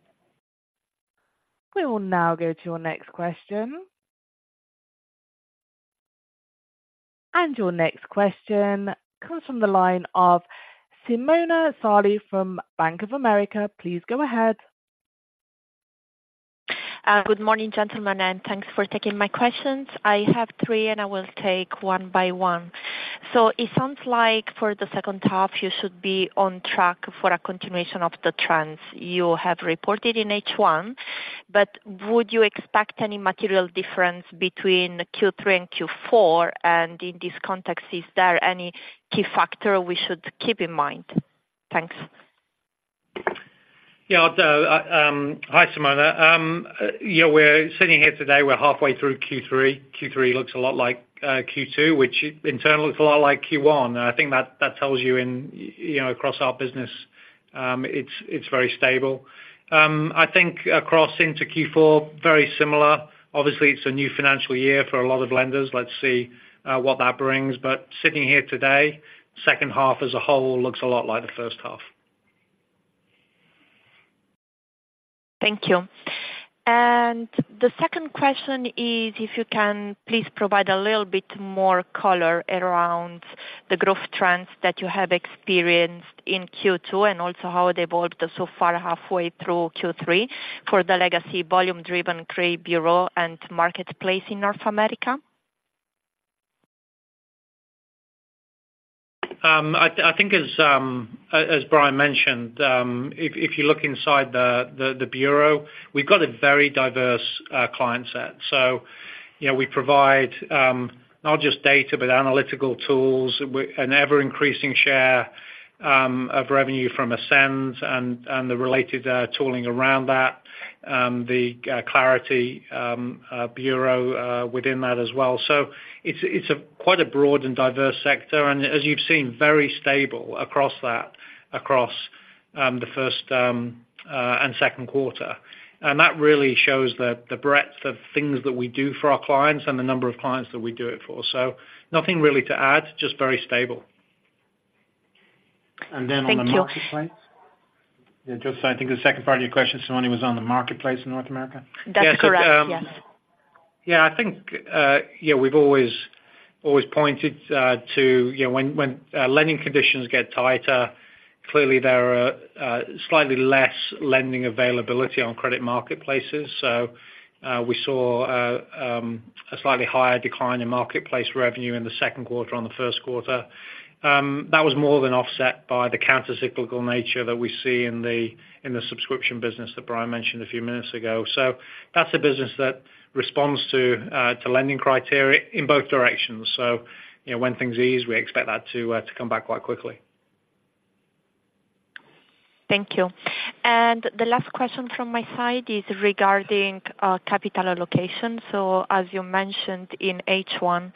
We will now go to your next question. Your next question comes from the line of Simona Sarli from Bank of America. Please go ahead. Good morning, gentlemen, and thanks for taking my questions. I have three, and I will take one by one. So it sounds like for the second half, you should be on track for a continuation of the trends you have reported in H1, but would you expect any material difference between Q3 and Q4? And in this context, is there any key factor we should keep in mind? Thanks. Yeah, the hi, Simona. Yeah, we're sitting here today, we're halfway through Q3. Q3 looks a lot like Q2, which internally looks a lot like Q1, and I think that tells you, you know, across our business, it's very stable. I think across into Q4, very similar. Obviously, it's a new financial year for a lot of lenders. Let's see what that brings. But sitting here today, second half as a whole looks a lot like the first half. Thank you. The second question is if you can please provide a little bit more color around the growth trends that you have experienced in Q2, and also how it evolved so far, halfway through Q3 for the legacy volume-driven credit Bureau and marketplace in North America? I think as Brian mentioned, if you look inside the Bureau, we've got a very diverse client set. So, you know, we provide not just data, but analytical tools. An ever-increasing share of revenue from Ascend and the related tooling around that, the Clarity Bureau within that as well. So it's a quite a broad and diverse sector, and as you've seen, very stable across that, across the first and second quarter. And that really shows the breadth of things that we do for our clients and the number of clients that we do it for. So nothing really to add, just very stable. Thank you. And then on the marketplace? Yeah, just so I think the second part of your question, Simona, was on the marketplace in North America. That's correct, yes. Yeah, I think, yeah, we've always, always pointed, to, you know, when, when, lending conditions get tighter, clearly there are, slightly less lending availability on credit marketplaces. So, we saw, a slightly higher decline in marketplace revenue in the second quarter on the first quarter. That was more than offset by the countercyclical nature that we see in the, in the subscription business that Brian mentioned a few minutes ago. So that's a business that responds to, to lending criteria in both directions. So, you know, when things ease, we expect that to, to come back quite quickly. Thank you. The last question from my side is regarding capital allocation. As you mentioned in H1,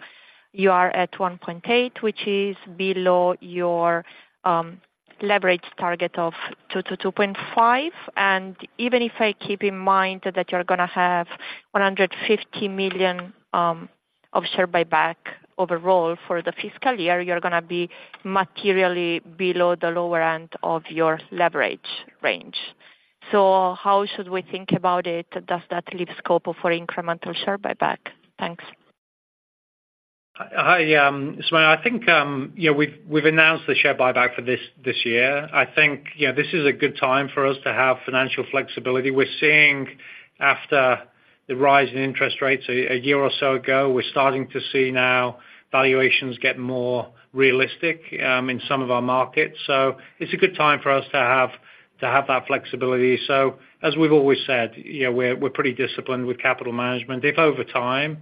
you are at 1.8, which is below your leverage target of 2-2.5. Even if I keep in mind that you're gonna have $150 million of share buyback overall for the fiscal year, you're gonna be materially below the lower end of your leverage range. How should we think about it? Does that leave scope for incremental share buyback? Thanks. Hi, Simona. I think, you know, we've, we've announced the share buyback for this, this year. I think, you know, this is a good time for us to have financial flexibility. We're seeing after the rise in interest rates a year or so ago, we're starting to see now valuations get more realistic, in some of our markets. So it's a good time for us to have to have that flexibility. So as we've always said, you know, we're, we're pretty disciplined with capital management. If over time,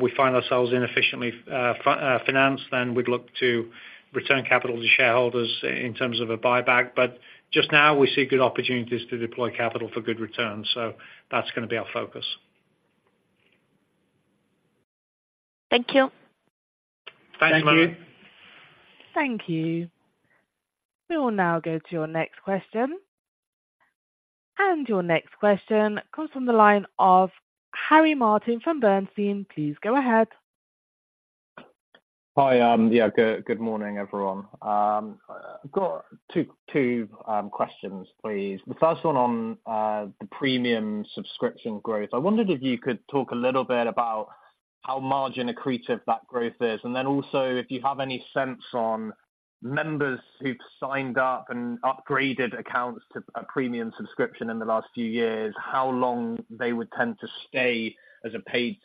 we find ourselves inefficiently, financed, then we'd look to return capital to shareholders in terms of a buyback. But just now, we see good opportunities to deploy capital for good returns, so that's gonna be our focus. Thank you. Thanks very much. Thank you. Thank you. We will now go to your next question. Your next question comes from the line of Harry Martin from Bernstein. Please go ahead. Hi, yeah, good, good morning, everyone. I've got two, two, questions, please. The first one on the premium subscription growth. I wondered if you could talk a little bit about how margin accretive that growth is, and then also, if you have any sense on members who've signed up and upgraded accounts to a premium subscription in the last few years, how long they would tend to stay as a paid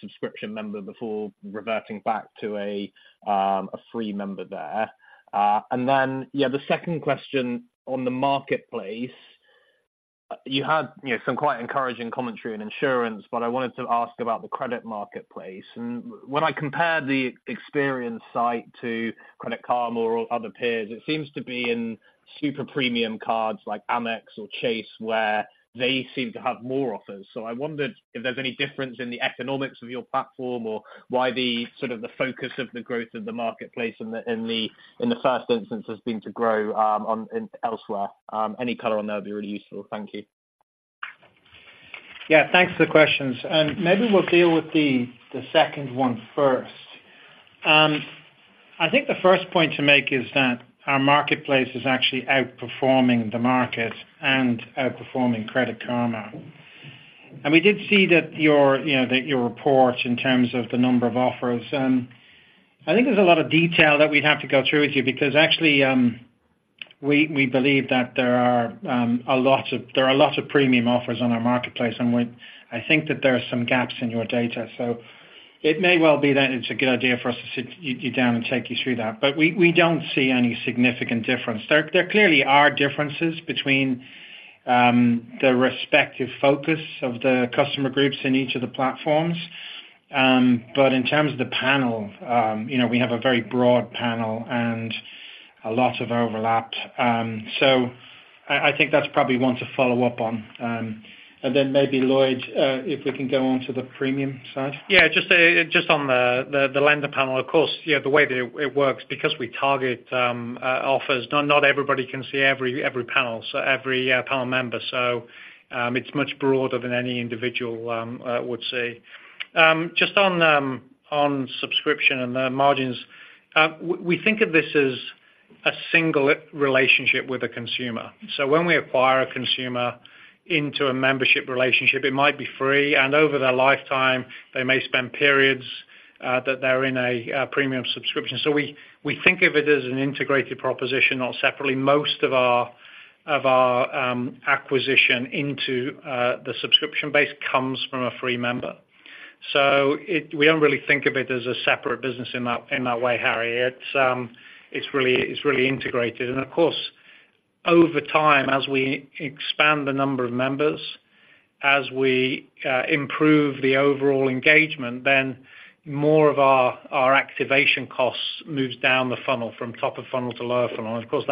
subscription member before reverting back to a free member there? And then, yeah, the second question on the marketplace. You had, you know, some quite encouraging commentary on insurance, but I wanted to ask about the credit marketplace. And when I compare the Experian site to Credit Karma or other peers, it seems to be in super premium cards like Amex or Chase, where they seem to have more offers. I wondered if there's any difference in the economics of your platform, or why the sort of focus of the growth of the marketplace in the first instance has been to grow in elsewhere. Any color on that would be really useful. Thank you. Yeah, thanks for the questions, and maybe we'll deal with the second one first. I think the first point to make is that our marketplace is actually outperforming the market and outperforming Credit Karma. And we did see that your, you know, that your reports in terms of the number of offers. I think there's a lot of detail that we'd have to go through with you because actually, we believe that there are a lot of premium offers on our marketplace, and we, I think that there are some gaps in your data. So it may well be that it's a good idea for us to sit you down and take you through that, but we don't see any significant difference. There clearly are differences between the respective focus of the customer groups in each of the platforms. But in terms of the panel, you know, we have a very broad panel and a lot of overlap. So I think that's probably one to follow up on. And then maybe Lloyd, if we can go on to the premium side? Yeah, just on the lender panel. Of course, yeah, the way that it works, because we target offers, not everybody can see every panel, so every panel member. So it's much broader than any individual would see. Just on subscription and the margins, we think of this as a single relationship with a consumer. So when we acquire a consumer into a membership relationship, it might be free, and over their lifetime, they may spend periods that they're in a premium subscription. So we think of it as an integrated proposition or separately; most of our acquisition into the subscription base comes from a free member. We don't really think of it as a separate business in that way, Harry. It's really integrated. And of course, over time, as we expand the number of members, as we improve the overall engagement, then more of our activation costs moves down the funnel, from top of funnel to lower funnel. And of course,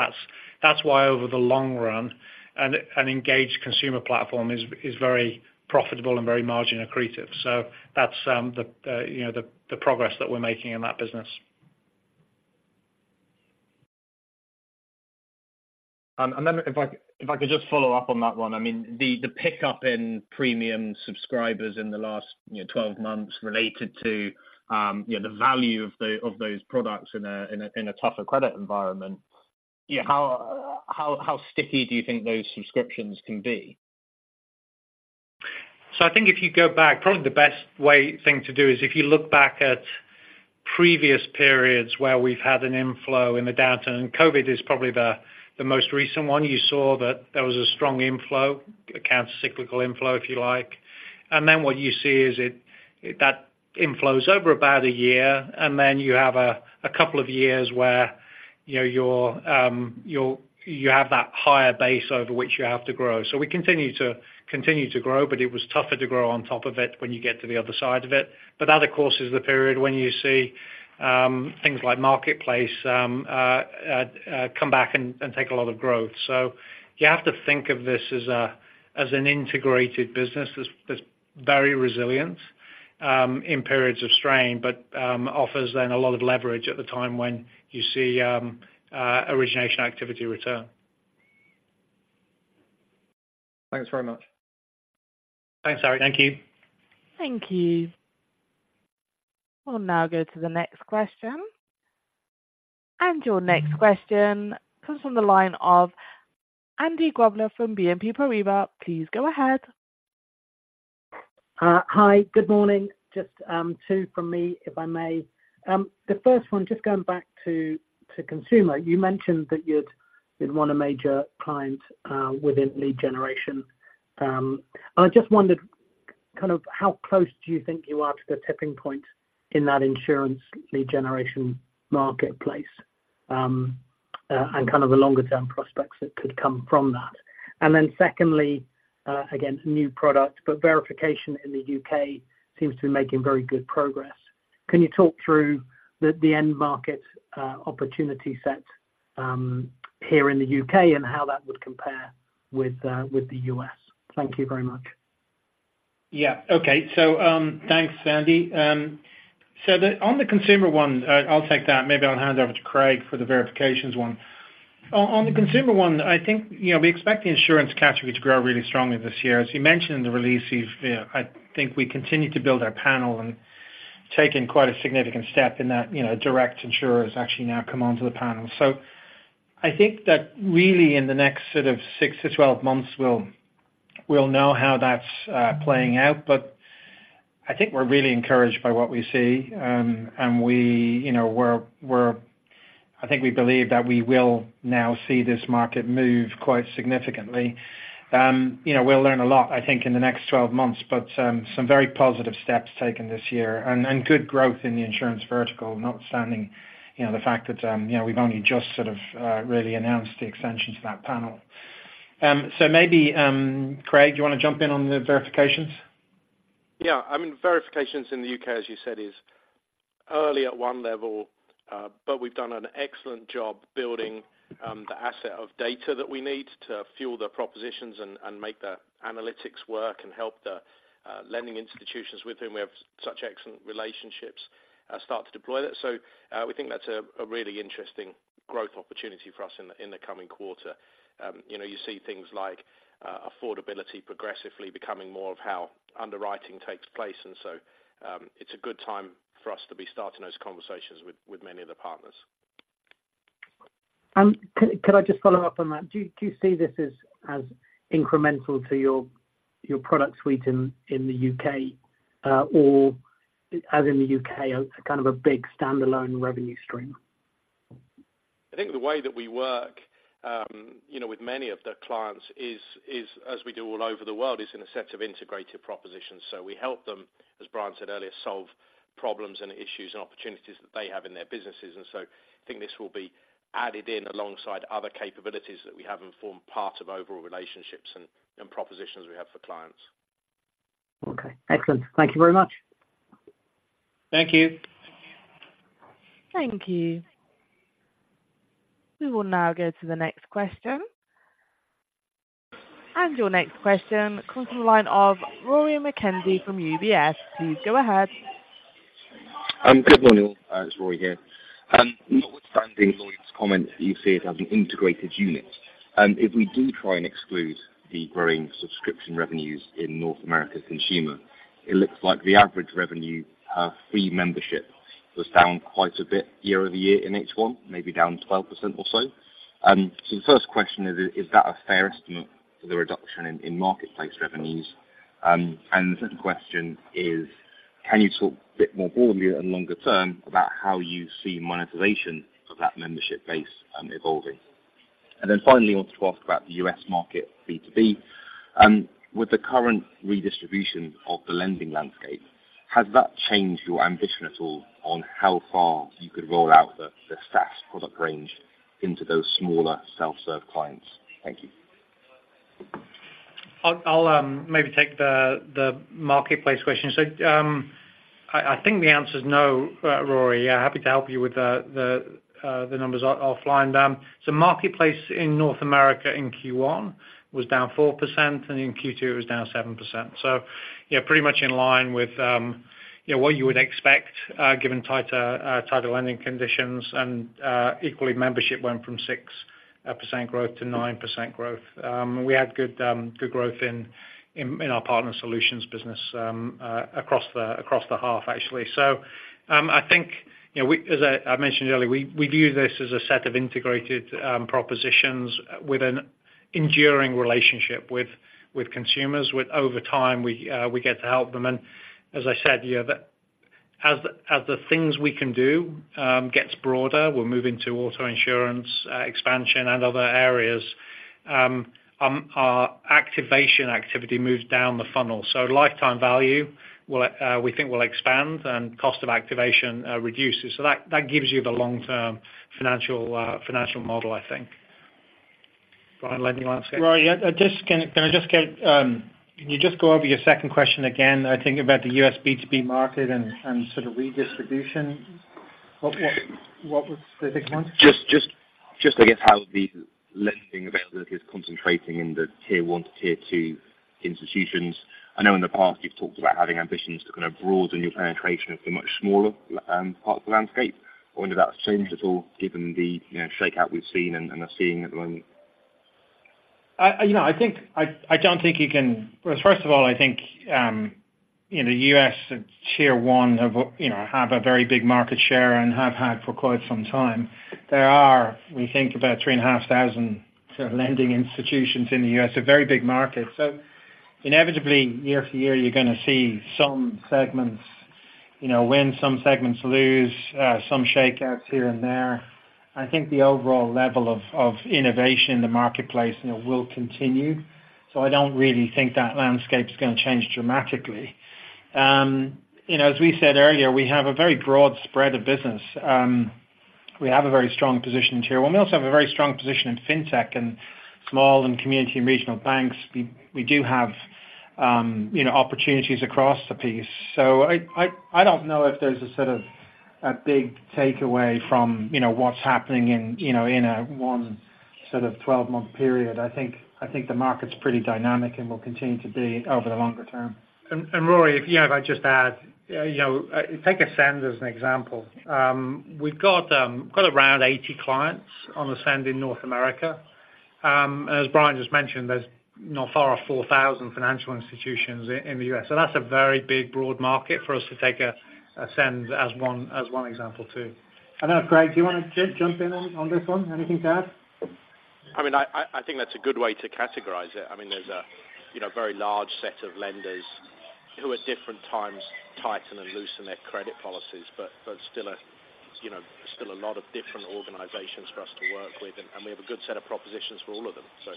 that's why over the long run, an engaged consumer platform is very profitable and very margin accretive. So that's the, you know, the progress that we're making in that business. And then if I could just follow up on that one. I mean, the pickup in premium subscribers in the last, you know, 12 months related to, you know, the value of those products in a tougher credit environment, yeah, how sticky do you think those subscriptions can be? So I think if you go back, probably the best way, thing to do is if you look back at previous periods where we've had an inflow in the downturn, and COVID is probably the most recent one. You saw that there was a strong inflow, a countercyclical inflow, if you like. And then what you see is that inflows over about a year, and then you have a couple of years where, you know, you have that higher base over which you have to grow. So we continue to grow, but it was tougher to grow on top of it when you get to the other side of it. But that, of course, is the period when you see things like marketplace come back and take a lot of growth. So you have to think of this as an integrated business that's very resilient in periods of strain, but offers then a lot of leverage at the time when you see origination activity return. Thanks very much. Thanks, Harry. Thank you. Thank you. We'll now go to the next question. And your next question comes from the line of Andy Grobler from BNP Paribas. Please go ahead. Hi, good morning. Just two from me, if I may. The first one, just going back to consumer. You mentioned that you'd won a major client within lead generation. I just wondered kind of how close do you think you are to the tipping point in that insurance lead generation marketplace? And kind of the longer term prospects that could come from that. And then secondly, again, new product, but verification in the U.K. seems to be making very good progress. Can you talk through the end market opportunity set here in the U.K., and how that would compare with the U.S.? Thank you very much. Yeah. Okay. So, thanks, Andy. So the, on the consumer one, I'll take that, maybe I'll hand over to Craig for the verifications one. On, on the consumer one, I think, you know, we expect the insurance category to grow really strongly this year. As you mentioned in the release, we've, I think we continue to build our panel and taken quite a significant step in that, you know, direct insurers actually now come onto the panel. So I think that really in the next sort of six to 12 months, we'll know how that's playing out. But I think we're really encouraged by what we see. And we, you know, we're. I think we believe that we will now see this market move quite significantly. You know, we'll learn a lot, I think, in the next 12 months, but some very positive steps taken this year. And good growth in the insurance vertical, notwithstanding, you know, the fact that, you know, we've only just sort of really announced the extension to that panel. So maybe, Craig, you wanna jump in on the Verifications? Yeah. I mean, Verifications in the U.K., as you said, is early at one level, but we've done an excellent job building the asset of data that we need to fuel the propositions and make the analytics work, and help the lending institutions with whom we have such excellent relationships start to deploy that. So, we think that's a really interesting growth opportunity for us in the coming quarter. You know, you see things like affordability progressively becoming more of how underwriting takes place, and so, it's a good time for us to be starting those conversations with many of the partners. Could I just follow up on that? Do you see this as incremental to your product suite in the U.K., or in the U.K., a kind of a big standalone revenue stream? I think the way that we work, you know, with many of the clients is as we do all over the world, is in a set of integrated propositions. So we help them, as Brian said earlier, solve problems and issues and opportunities that they have in their businesses. And so I think this will be added in alongside other capabilities that we have and form part of overall relationships and propositions we have for clients. Okay. Excellent. Thank you very much. Thank you. Thank you. We will now go to the next question. Your next question comes from the line of Rory McKenzie from UBS. Please, go ahead. Good morning, it's Rory here. Notwithstanding Lloyd's comments, you see it as an integrated unit. If we do try and exclude the growing subscription revenues in North America consumer, it looks like the average revenue, free membership was down quite a bit year-over-year in H1, maybe down 12% or so. So the first question is: is that a fair estimate for the reduction in, in marketplace revenues? And the second question is: can you talk a bit more broadly and longer term about how you see monetization of that membership base, evolving? And then finally, I wanted to ask about the U.S. market, B2B. With the current redistribution of the lending landscape, has that changed your ambition at all on how far you could roll out the, the SaaS product range into those smaller self-serve clients? Thank you. I'll maybe take the marketplace question. So, I think the answer is no, Rory. Yeah, happy to help you with the numbers offline. So marketplace in North America in Q1 was down 4%, and in Q2, it was down 7%. So yeah, pretty much in line with, you know, what you would expect, given tighter lending conditions. And equally, membership went from 6% growth to 9% growth. We had good growth in our Partner Solutions business across the half, actually. So, I think, you know, we—as I mentioned earlier, we view this as a set of integrated propositions with an enduring relationship with consumers, with over time, we get to help them. As I said, you know, as the things we can do gets broader, we're moving to auto insurance expansion and other areas, our activation activity moves down the funnel. So lifetime value will, we think, will expand and cost of activation reduces. So that gives you the long-term financial model, I think. Brian, let me ask you. Right. Yeah, just. Can I just get, can you just go over your second question again, I think, about the U.S. B2B market and sort of redistribution? What was the big one? I guess how the lending availability is concentrating in the Tier One to Tier Two institutions. I know in the past you've talked about having ambitions to kind of broaden your penetration of the much smaller part of the landscape. I wonder if that's changed at all, given the, you know, shakeout we've seen and are seeing at the moment. You know, I think I don't think you can, Well, first of all, I think in the U.S., Tier One have you know have a very big market share and have had for quite some time. There are, we think, about 3,500 sort of lending institutions in the U.S., a very big market. So inevitably, year to year, you're gonna see some segments, you know, win some segments, lose some shakeouts here and there. I think the overall level of innovation in the marketplace you know will continue. So I don't really think that landscape is going to change dramatically. You know, as we said earlier, we have a very broad spread of business. We have a very strong position in Tier One. We also have a very strong position in Fintech and small and community and regional banks. We do have, you know, opportunities across the piece. So I don't know if there's a sort of a big takeaway from, you know, what's happening in, you know, in a one sort of twelve-month period. I think the market's pretty dynamic and will continue to be over the longer term. And Rory, if I just add, you know, take Ascend as an example. We've got around 80 clients on Ascend in North America. And as Brian just mentioned, there's not far off 4,000 financial institutions in the U.S. So that's a very big, broad market for us to take Ascend as one example, too. I know, Craig, do you want to jump in on this one? Anything to add? I mean, I think that's a good way to categorize it. I mean, there's, you know, a very large set of lenders who at different times tighten and loosen their credit policies, but still, you know, a lot of different organizations for us to work with, and we have a good set of propositions for all of them. So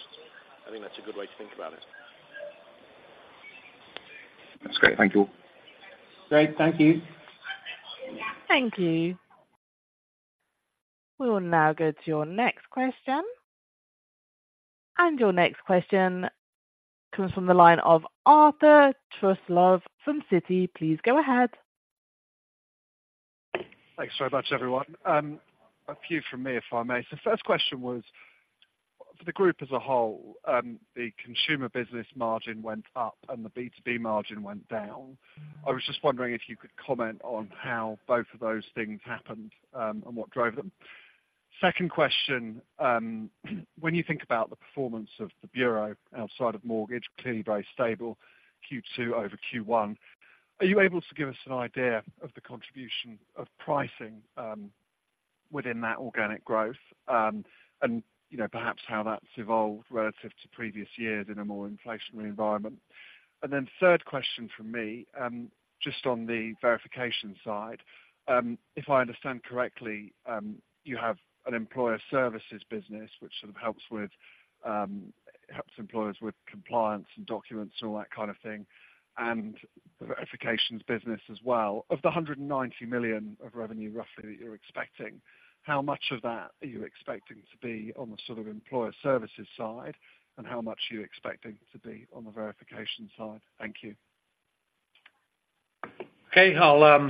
I think that's a good way to think about it. That's great. Thank you. Great. Thank you. Thank you. We will now go to your next question. Your next question comes from the line of Arthur Truslove from Citi. Please go ahead. Thanks very much, everyone. A few from me, if I may. So the first question was, for the group as a whole, the consumer business margin went up and the B2B margin went down. I was just wondering if you could comment on how both of those things happened, and what drove them? Second question, when you think about the performance of the Bureau outside of mortgage, clearly very stable, Q2 over Q1, are you able to give us an idea of the contribution of pricing, within that organic growth? And, you know, perhaps how that's evolved relative to previous years in a more inflationary environment. And then third question from me, just on the verification side. If I understand correctly, you have an Employer Services business which sort of helps with, helps employers with compliance and documents and all that kind of thing, and the Verifications business as well. Of the $190 million of revenue, roughly, that you're expecting, how much of that are you expecting to be on the sort of Employer Services side, and how much are you expecting to be on the verification side? Thank you. Okay. I'll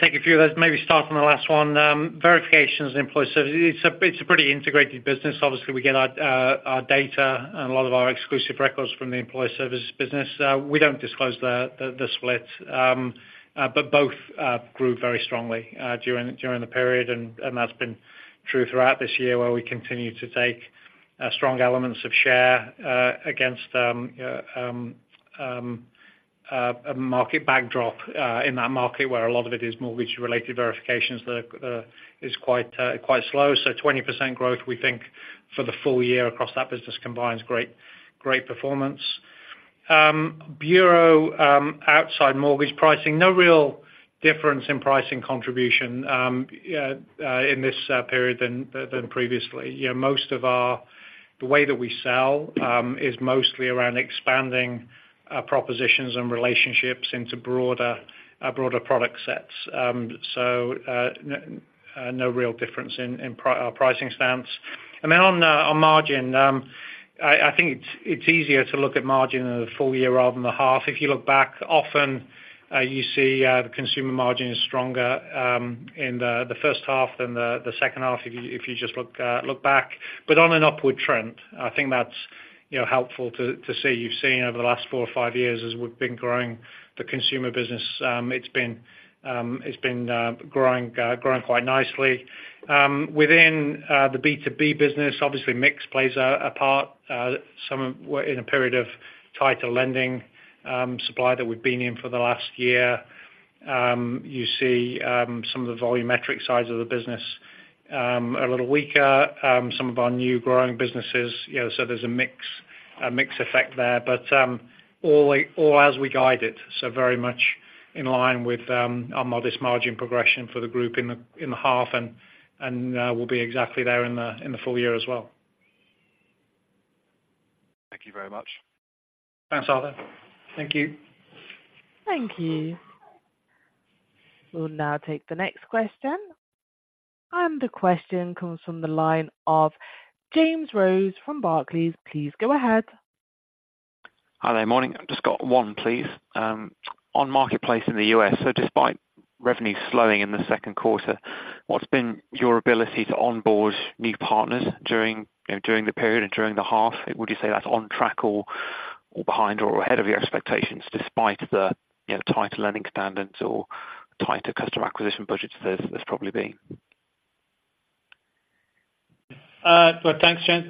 take a few of those. Maybe start from the last one. Verifications and Employer Services, it's a pretty integrated business. Obviously, we get our data and a lot of our exclusive records from the Employer Services business. We don't disclose the split, but both grew very strongly during the period, and that's been true throughout this year, where we continue to take strong elements of share against a market backdrop in that market, where a lot of it is mortgage-related verifications that is quite slow. So 20% growth, we think for the full year across that business combines great performance. Bureau, outside mortgage pricing, no real difference in pricing contribution in this period than previously. You know, most of our-- The way that we sell is mostly around expanding propositions and relationships into broader broader product sets. So, no real difference in our pricing stance. And then on margin, I think it's easier to look at margin in the full year rather than the half. If you look back, often you see the consumer margin is stronger in the first half than the second half, if you just look back, but on an upward trend. I think that's, you know, helpful to see. You've seen over the last four or five years as we've been growing the consumer business. It's been growing quite nicely. Within the B2B business, obviously, mix plays a part. So we're in a period of tighter lending supply that we've been in for the last year. You see, some of the volumetric sides of the business a little weaker, some of our new growing businesses, you know, so there's a mix effect there. But all as we guided, so very much in line with our modest margin progression for the group in the half, and we'll be exactly there in the full year as well. Thank you very much. Thanks, Arthur. Thank you. Thank you. We'll now take the next question, and the question comes from the line of James Rose from Barclays. Please go ahead. Hi there. Morning. I've just got one, please. On Marketplace in the U.S., so despite revenue slowing in the second quarter, what's been your ability to onboard new partners during, you know, during the period and during the half? Would you say that's on track or, or behind, or ahead of your expectations, despite the, you know, tighter lending standards or tighter customer acquisition budgets there’s probably been? Well, thanks, James.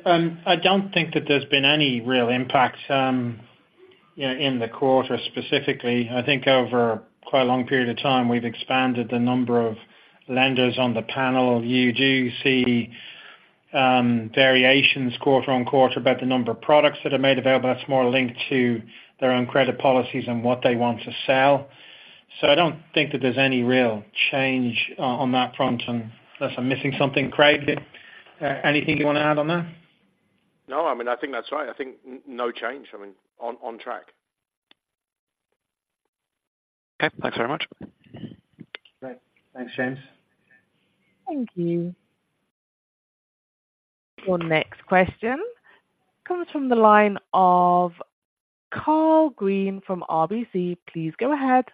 I don't think that there's been any real impact, you know, in the quarter specifically. I think over quite a long period of time, we've expanded the number of lenders on the panel. You do see variations quarter on quarter about the number of products that are made available. That's more linked to their own credit policies and what they want to sell. So I don't think that there's any real change on that front, unless I'm missing something. Craig, anything you want to add on that? No, I mean, I think that's right. I think no change. I mean, on track. Okay. Thanks very much. Great. Thanks, James. Thank you. Your next question comes from the line of Karl Green from RBC. Please go ahead.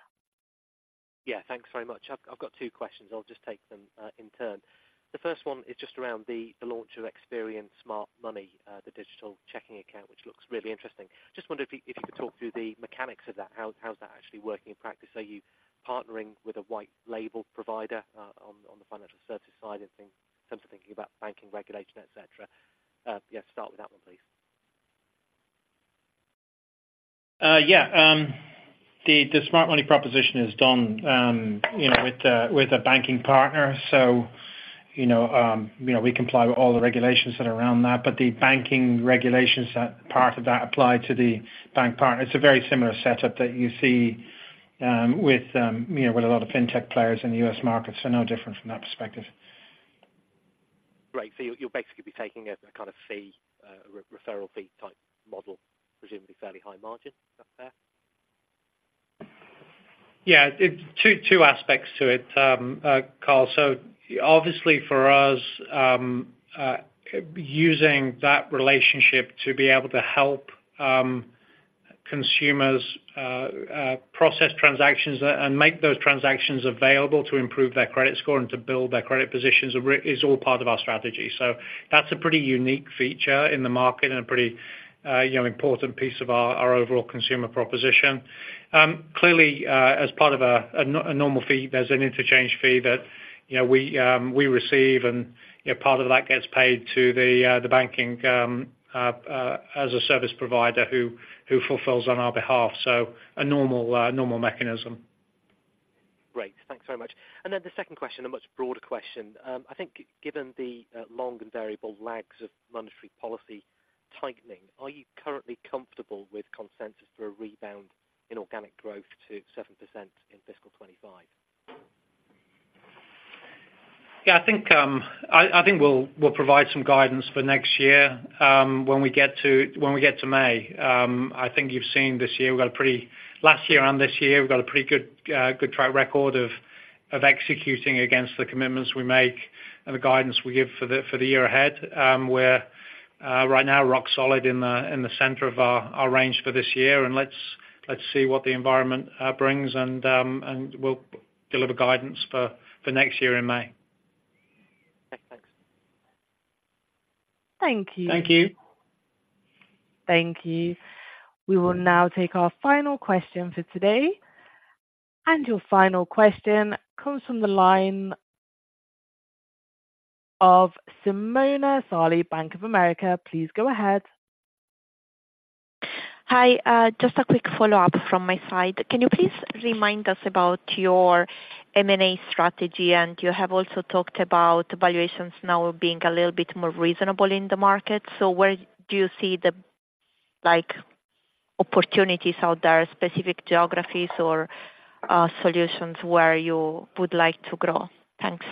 Yeah, thanks very much. I've got two questions. I'll just take them in turn. The first one is just around the launch of Experian Smart Money, the digital checking account, which looks really interesting. Just wondered if you could talk through the mechanics of that, how's that actually working in practice? Are you partnering with a white label provider on the financial services side, I think, in terms of thinking about banking regulation, et cetera? Yeah, start with that one, please. Yeah. The Smart Money proposition is done, you know, with a banking partner. So, you know, you know, we comply with all the regulations that are around that, but the banking regulations that are part of that apply to the bank partner. It's a very similar setup that you see, you know, with a lot of fintech players in the U.S. market, so no different from that perspective. Great. So you'll basically be taking a kind of fee, referral fee type model, presumably fairly high margin. Is that fair? Yeah. It's two aspects to it, Karl. So obviously for us, using that relationship to be able to help consumers process transactions and make those transactions available to improve their credit score and to build their credit positions is all part of our strategy. So that's a pretty unique feature in the market and a pretty, you know, important piece of our overall consumer proposition. Clearly, as part of a normal fee, there's an interchange fee that, you know, we receive, and, you know, part of that gets paid to the banking as a service provider who fulfills on our behalf, so a normal mechanism. Great. Thanks very much. And then the second question, a much broader question. I think given the, long and variable lags of monetary policy tightening, are you currently comfortable with consensus for a rebound in organic growth to 7% in fiscal 2025? Yeah, I think we'll provide some guidance for next year when we get to May. I think you've seen this year. Last year and this year, we've got a pretty good track record of executing against the commitments we make and the guidance we give for the year ahead. We're right now rock solid in the center of our range for this year, and let's see what the environment brings, and we'll deliver guidance for next year in May. Thanks. Thank you. Thank you. Thank you. We will now take our final question for today, and your final question comes from the line of Simona Sarli, Bank of America. Please go ahead. Hi. Just a quick follow-up from my side. Can you please remind us about your M&A strategy? And you have also talked about valuations now being a little bit more reasonable in the market. So where do you see the, like, opportunities out there, specific geographies or solutions where you would like to grow? Thanks.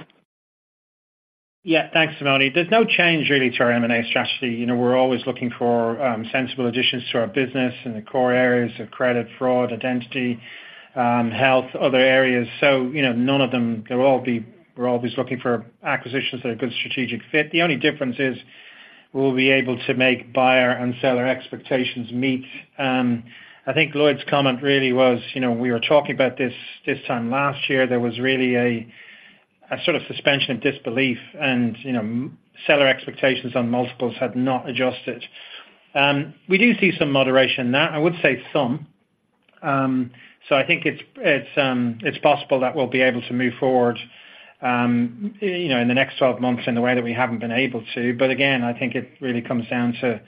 Yeah. Thanks, Simona. There's no change really to our M&A strategy. You know, we're always looking for sensible additions to our business in the core areas of credit, fraud, identity, health, other areas. So, you know, none of them- they'll all be- we're always looking for acquisitions that are a good strategic fit. The only difference is, will we be able to make buyer and seller expectations meet? I think Lloyd's comment really was, you know, we were talking about this, this time last year. There was really a sort of suspension of disbelief, and, you know, seller expectations on multiples had not adjusted. We do see some moderation now, I would say some. So I think it's possible that we'll be able to move forward, you know, in the next 12 months in the way that we haven't been able to. But again, I think it really comes down to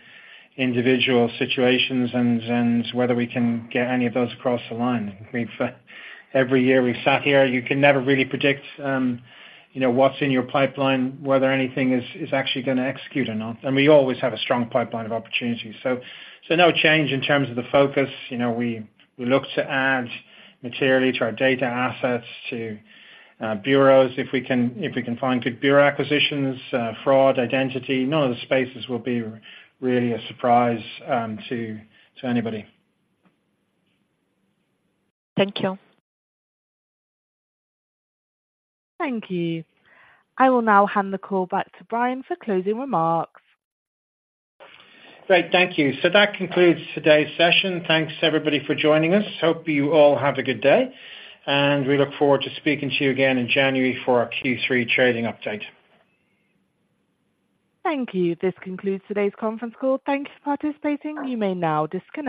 individual situations and whether we can get any of those across the line. I mean, for every year we've sat here, you can never really predict, you know, what's in your pipeline, whether anything is actually gonna execute or not. And we always have a strong pipeline of opportunities. So no change in terms of the focus. You know, we look to add materially to our data assets, to bureaus, if we can, if we can find good Bureau acquisitions, fraud, identity. None of the spaces will be really a surprise to anybody. Thank you. Thank you. I will now hand the call back to Brian for closing remarks. Great. Thank you. So that concludes today's session. Thanks, everybody, for joining us. Hope you all have a good day, and we look forward to speaking to you again in January for our Q3 trading update. Thank you. This concludes today's conference call. Thank you for participating. You may now disconnect.